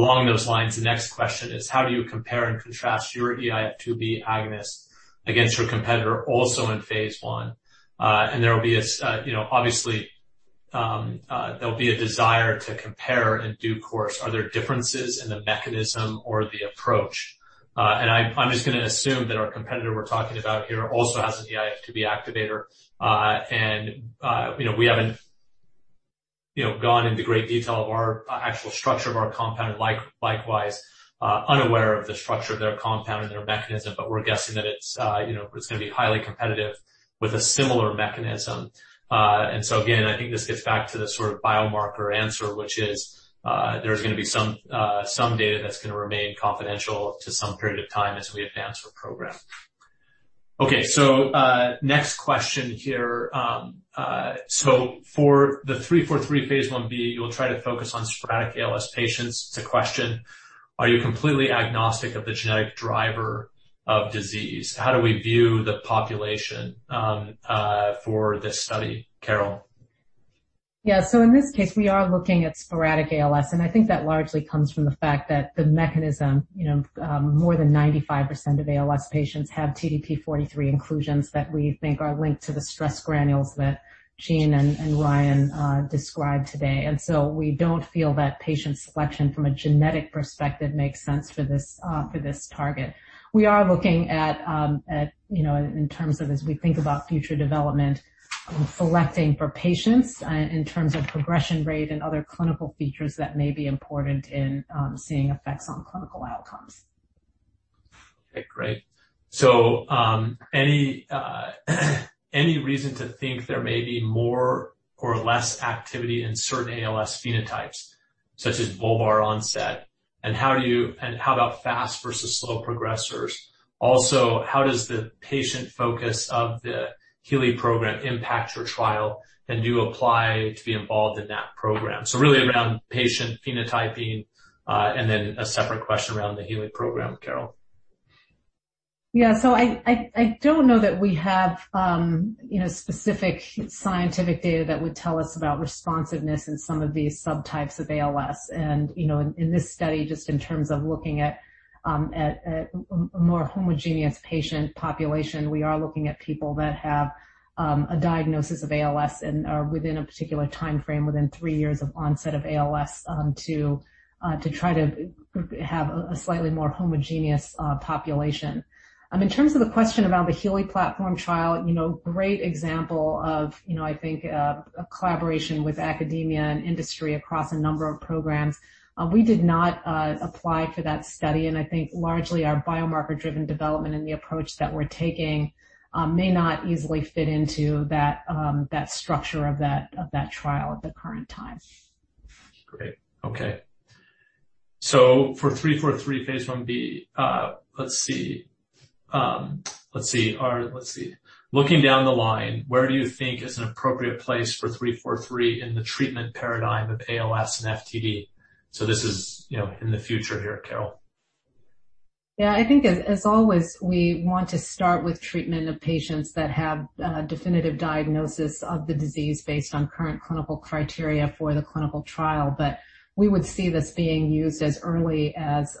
Along those lines, the next question is how do you compare and contrast your eIF2B agonist against your competitor also in phase I? Obviously, there'll be a desire to compare in due course. Are there differences in the mechanism or the approach? I'm just going to assume that our competitor we're talking about here also has an eIF2B activator. We haven't gone into great detail of our actual structure of our compound, and likewise, unaware of the structure of their compound and their mechanism. We're guessing that it's going to be highly competitive with a similar mechanism. Again, I think this gets back to the sort of biomarker answer, which is there's going to be some data that's going to remain confidential to some period of time as we advance our program. Next question here. For the 343 phase I-B, you'll try to focus on sporadic ALS patients. It's a question, are you completely agnostic of the genetic driver of disease? How do we view the population for this study, Carole? In this case, we are looking at sporadic ALS, and I think that largely comes from the fact that the mechanism, more than 95% of ALS patients have TDP-43 inclusions that we think are linked to the stress granules that Jean and Ryan described today. We don't feel that patient selection from a genetic perspective makes sense for this target. We are looking at, in terms of as we think about future development, selecting for patients in terms of progression rate and other clinical features that may be important in seeing effects on clinical outcomes. Okay, great. Any reason to think there may be more or less activity in certain ALS phenotypes, such as bulbar onset, and how about fast versus slow progressors? Also, how does the patient focus of the HEALEY program impact your trial, and do you apply to be involved in that program? Really around patient phenotyping, and then a separate question around the HEALEY program, Carole. Yeah. I don't know that we have specific scientific data that would tell us about responsiveness in some of these subtypes of ALS. In this study, just in terms of looking at a more homogeneous patient population, we are looking at people that have a diagnosis of ALS and are within a particular timeframe within three years of onset of ALS to try to have a slightly more homogeneous population. In terms of the question about the HEALEY platform trial, great example of I think a collaboration with academia and industry across a number of programs. We did not apply for that study, and I think largely our biomarker-driven development and the approach that we're taking may not easily fit into that structure of that trial at the current time. Great. Okay. For 343 phase I-B, let's see. Looking down the line, where do you think is an appropriate place for 343 in the treatment paradigm of ALS and FTD? This is in the future here, Carole. Yeah. I think as always, we want to start with treatment of patients that have a definitive diagnosis of the disease based on current clinical criteria for the clinical trial. We would see this being used as early as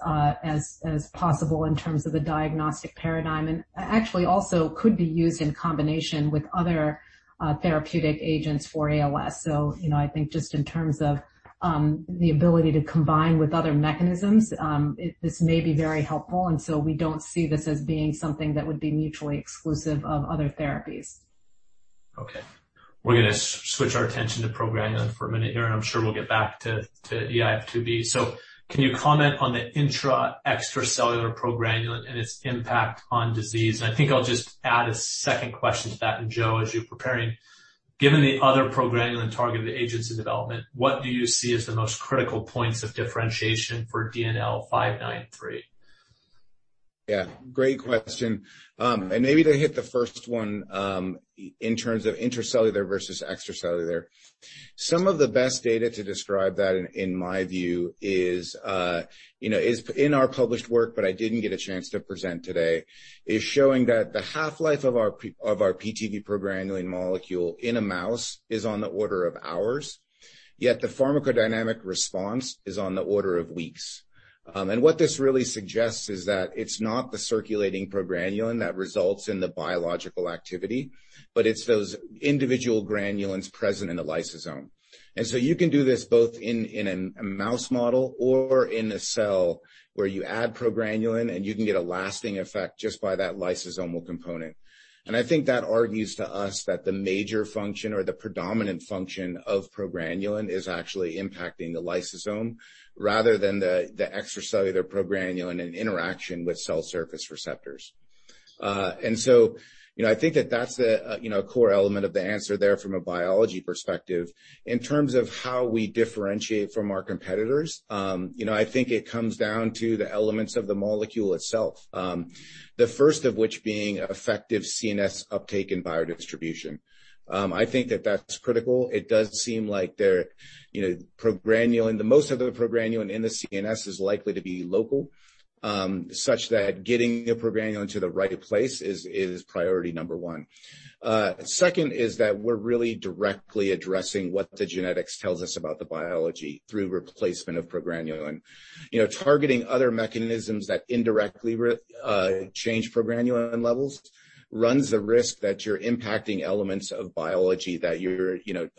possible in terms of the diagnostic paradigm, and actually also could be used in combination with other therapeutic agents for ALS. I think just in terms of the ability to combine with other mechanisms, this may be very helpful, we don't see this as being something that would be mutually exclusive of other therapies. We're going to switch our attention to progranulin for a minute here, and I'm sure we'll get back to eIF2B. Can you comment on the intra/extracellular progranulin and its impact on disease? I think I'll just add a second question to that, and Joe, as you're preparing, given the other progranulin targeted agents in development, what do you see as the most critical points of differentiation for DNL593? Yeah, great question. Maybe to hit the first one in terms of intracellular versus extracellular. Some of the best data to describe that, in my view, is in our published work, but I didn't get a chance to present today, is showing that the half-life of our progranulin molecule in a mouse is on the order of hours, yet the pharmacodynamic response is on the order of weeks. What this really suggests is that it's not the circulating progranulin that results in the biological activity, but it's those individual granulins present in the lysosome. You can do this both in a mouse model or in a cell where you add progranulin, and you can get a lasting effect just by that lysosomal component. I think that argues to us that the major function or the predominant function of progranulin is actually impacting the lysosome rather than the extracellular progranulin and interaction with cell surface receptors. I think that's a core element of the answer there from a biology perspective. In terms of how we differentiate from our competitors, I think it comes down to the elements of the molecule itself. The first of which being effective CNS uptake and biodistribution. I think that that's critical. It does seem like most of the progranulin in the CNS is likely to be local, such that getting the progranulin to the right place is priority number one. Second is that we're really directly addressing what the genetics tells us about the biology through replacement of progranulin. Targeting other mechanisms that indirectly change progranulin levels runs the risk that you're impacting elements of biology that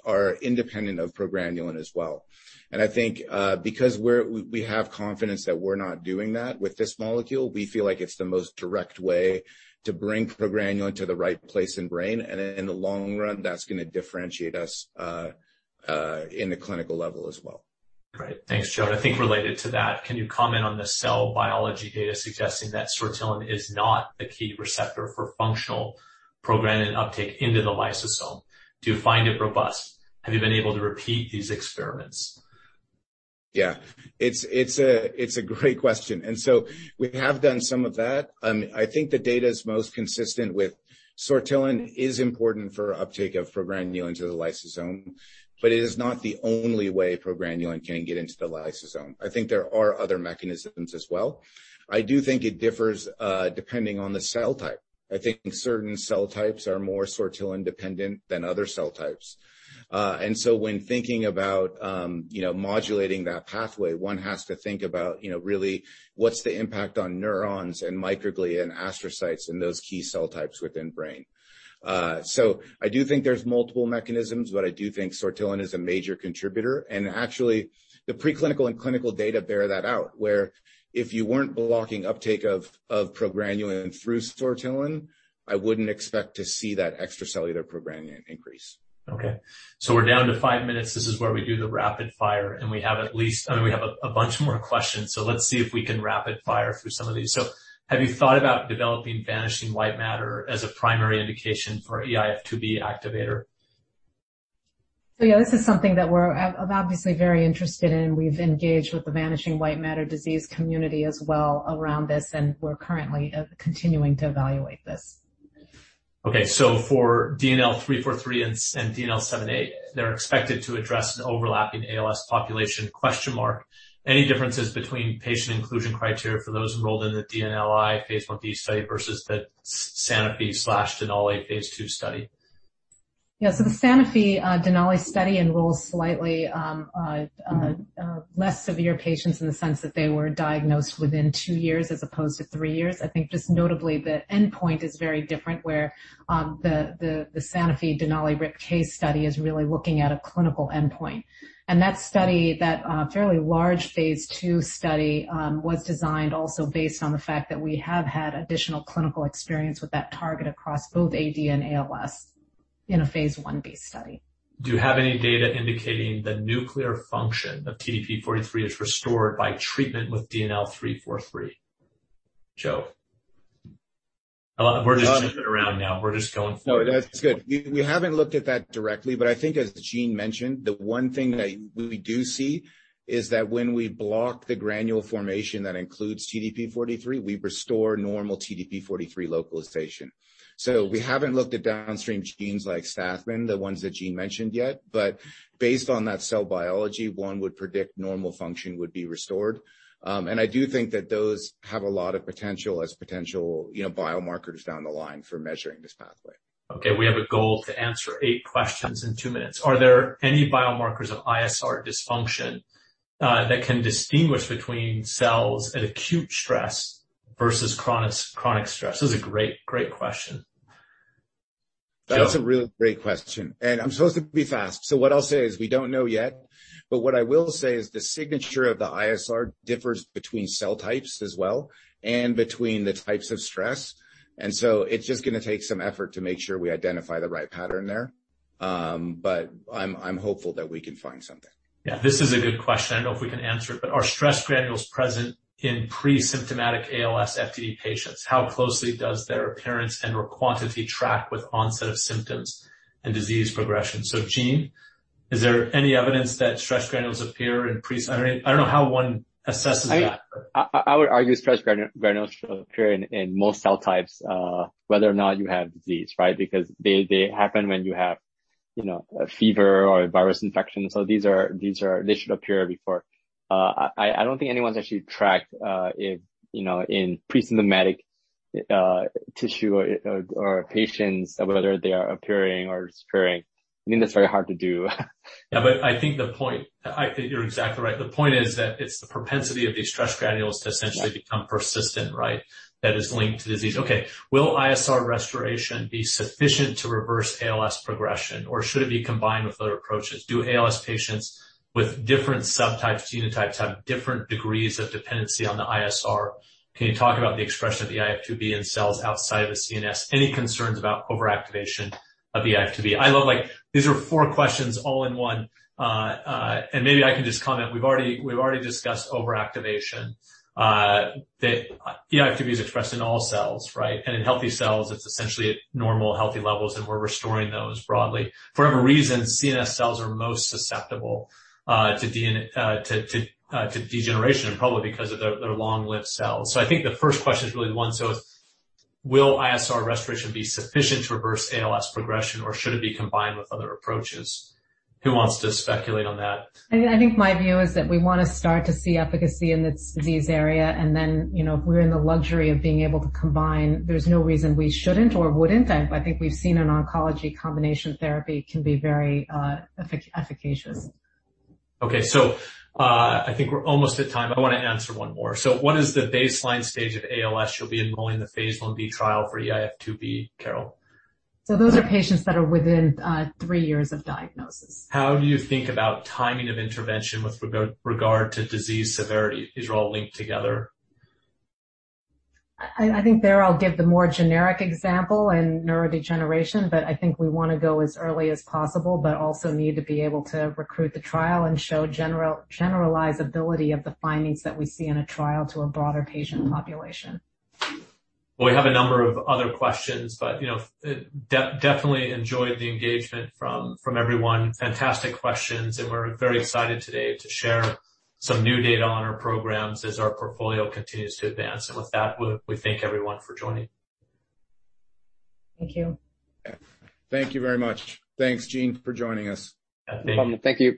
are independent of progranulin as well. I think, because we have confidence that we're not doing that with this molecule, we feel like it's the most direct way to bring progranulin to the right place in brain. In the long run, that's going to differentiate us in the clinical level as well. Great. Thanks, Joe. I think related to that, can you comment on the cell biology data suggesting that sortilin is not the key receptor for functional progranulin uptake into the lysosome? Do you find it robust? Have you been able to repeat these experiments? Yeah. It's a great question. We have done some of that. I think the data's most consistent with sortilin is important for uptake of progranulin to the lysosome, but it is not the only way progranulin can get into the lysosome. I think there are other mechanisms as well. I do think it differs depending on the cell type. I think certain cell types are more sortilin dependent than other cell types. When thinking about modulating that pathway, one has to think about really what's the impact on neurons and microglia and astrocytes and those key cell types within brain. I do think there's multiple mechanisms, but I do think sortilin is a major contributor, and actually, the preclinical and clinical data bear that out, where if you weren't blocking uptake of progranulin through sortilin, I wouldn't expect to see that extracellular progranulin increase. Okay. We're down to five minutes. This is where we do the rapid fire, and we have a bunch more questions, so let's see if we can rapid fire through some of these. Have you thought about developing Vanishing White Matter as a primary indication for eIF2B activator? Yeah, this is something that we're obviously very interested in. We've engaged with the Vanishing White Matter Disease community as well around this. We're currently continuing to evaluate this. For DNL343 and DNL788, they're expected to address an overlapping ALS population? Any differences between patient inclusion criteria for those enrolled in the Denali phase I-B study versus the Sanofi/Denali phase II study? The Sanofi Denali study enrolls slightly less severe patients in the sense that they were diagnosed within two years as opposed to three years. I think just notably, the endpoint is very different where the Sanofi Denali RIPK1 study is really looking at a clinical endpoint. That study, that fairly large Phase II study, was designed also based on the fact that we have had additional clinical experience with that target across both AD and ALS in a Phase I-B study. Do you have any data indicating the nuclear function of TDP-43 is restored by treatment with DNL343? Joe. We're just jumping around now. We're just going through. No, that's good. I think as Gene mentioned, the one thing that we do see is that when we block the granule formation that includes TDP-43, we restore normal TDP-43 localization. We haven't looked at downstream genes like Stathmin, the ones that Gene mentioned yet, but based on that cell biology, one would predict normal function would be restored. I do think that those have a lot of potential as potential biomarkers down the line for measuring this pathway. Okay. We have a goal to answer eight questions in two minutes. Are there any biomarkers of ISR dysfunction that can distinguish between cells at acute stress versus chronic stress? This is a great question. Joe. That's a really great question, and I'm supposed to be fast. What I'll say is we don't know yet, but what I will say is the signature of the ISR differs between cell types as well and between the types of stress. It's just going to take some effort to make sure we identify the right pattern there. I'm hopeful that we can find something. Yeah. This is a good question. I don't know if we can answer it, but are stress granules present in pre-symptomatic ALS FTD patients? How closely does their appearance and/or quantity track with onset of symptoms and disease progression? Gene, is there any evidence that stress granules appear in pre, I don't know how one assesses that. I would argue stress granules appear in most cell types, whether or not you have disease, right? Because they happen when you have a fever or a virus infection. They should appear before. I don't think anyone's actually tracked if in pre-symptomatic tissue or patients, whether they are appearing or disappearing. I mean, that's very hard to do. Yeah, I think you're exactly right. The point is that it's the propensity of these stress granules to essentially become persistent, right? That is linked to disease. Okay. Will ISR restoration be sufficient to reverse ALS progression, or should it be combined with other approaches? Do ALS patients with different subtypes, genotypes have different degrees of dependency on the ISR? Can you talk about the expression of the eIF2B in cells outside of the CNS? Any concerns about overactivation of the eIF2B? These are four questions all in one. Maybe I can just comment. We've already discussed overactivation, that eIF2B is expressed in all cells, right? In healthy cells, it's essentially at normal healthy levels, and we're restoring those broadly. For whatever reason, CNS cells are most susceptible to degeneration and probably because of their long-lived cells. I think the first question is really the one. Will ISR restoration be sufficient to reverse ALS progression, or should it be combined with other approaches? Who wants to speculate on that? I think my view is that we want to start to see efficacy in this disease area, and then, if we're in the luxury of being able to combine, there's no reason we shouldn't or wouldn't. I think we've seen in oncology, combination therapy can be very efficacious. Okay. I think we're almost at time. I want to answer one more. What is the baseline stage of ALS you'll be enrolling the phase I-B trial for eIF2B, Carole? Those are patients that are within three years of diagnosis. How do you think about timing of intervention with regard to disease severity? These are all linked together. I think there I'll give the more generic example in neurodegeneration, but I think we want to go as early as possible but also need to be able to recruit the trial and show generalizability of the findings that we see in a trial to a broader patient population. Well, we have a number of other questions, but definitely enjoyed the engagement from everyone. Fantastic questions, we're very excited today to share some new data on our programs as our portfolio continues to advance. With that, we thank everyone for joining. Thank you. Thank you very much. Thanks, Gene Yeo, for joining us. Yeah, thank you. No problem. Thank you.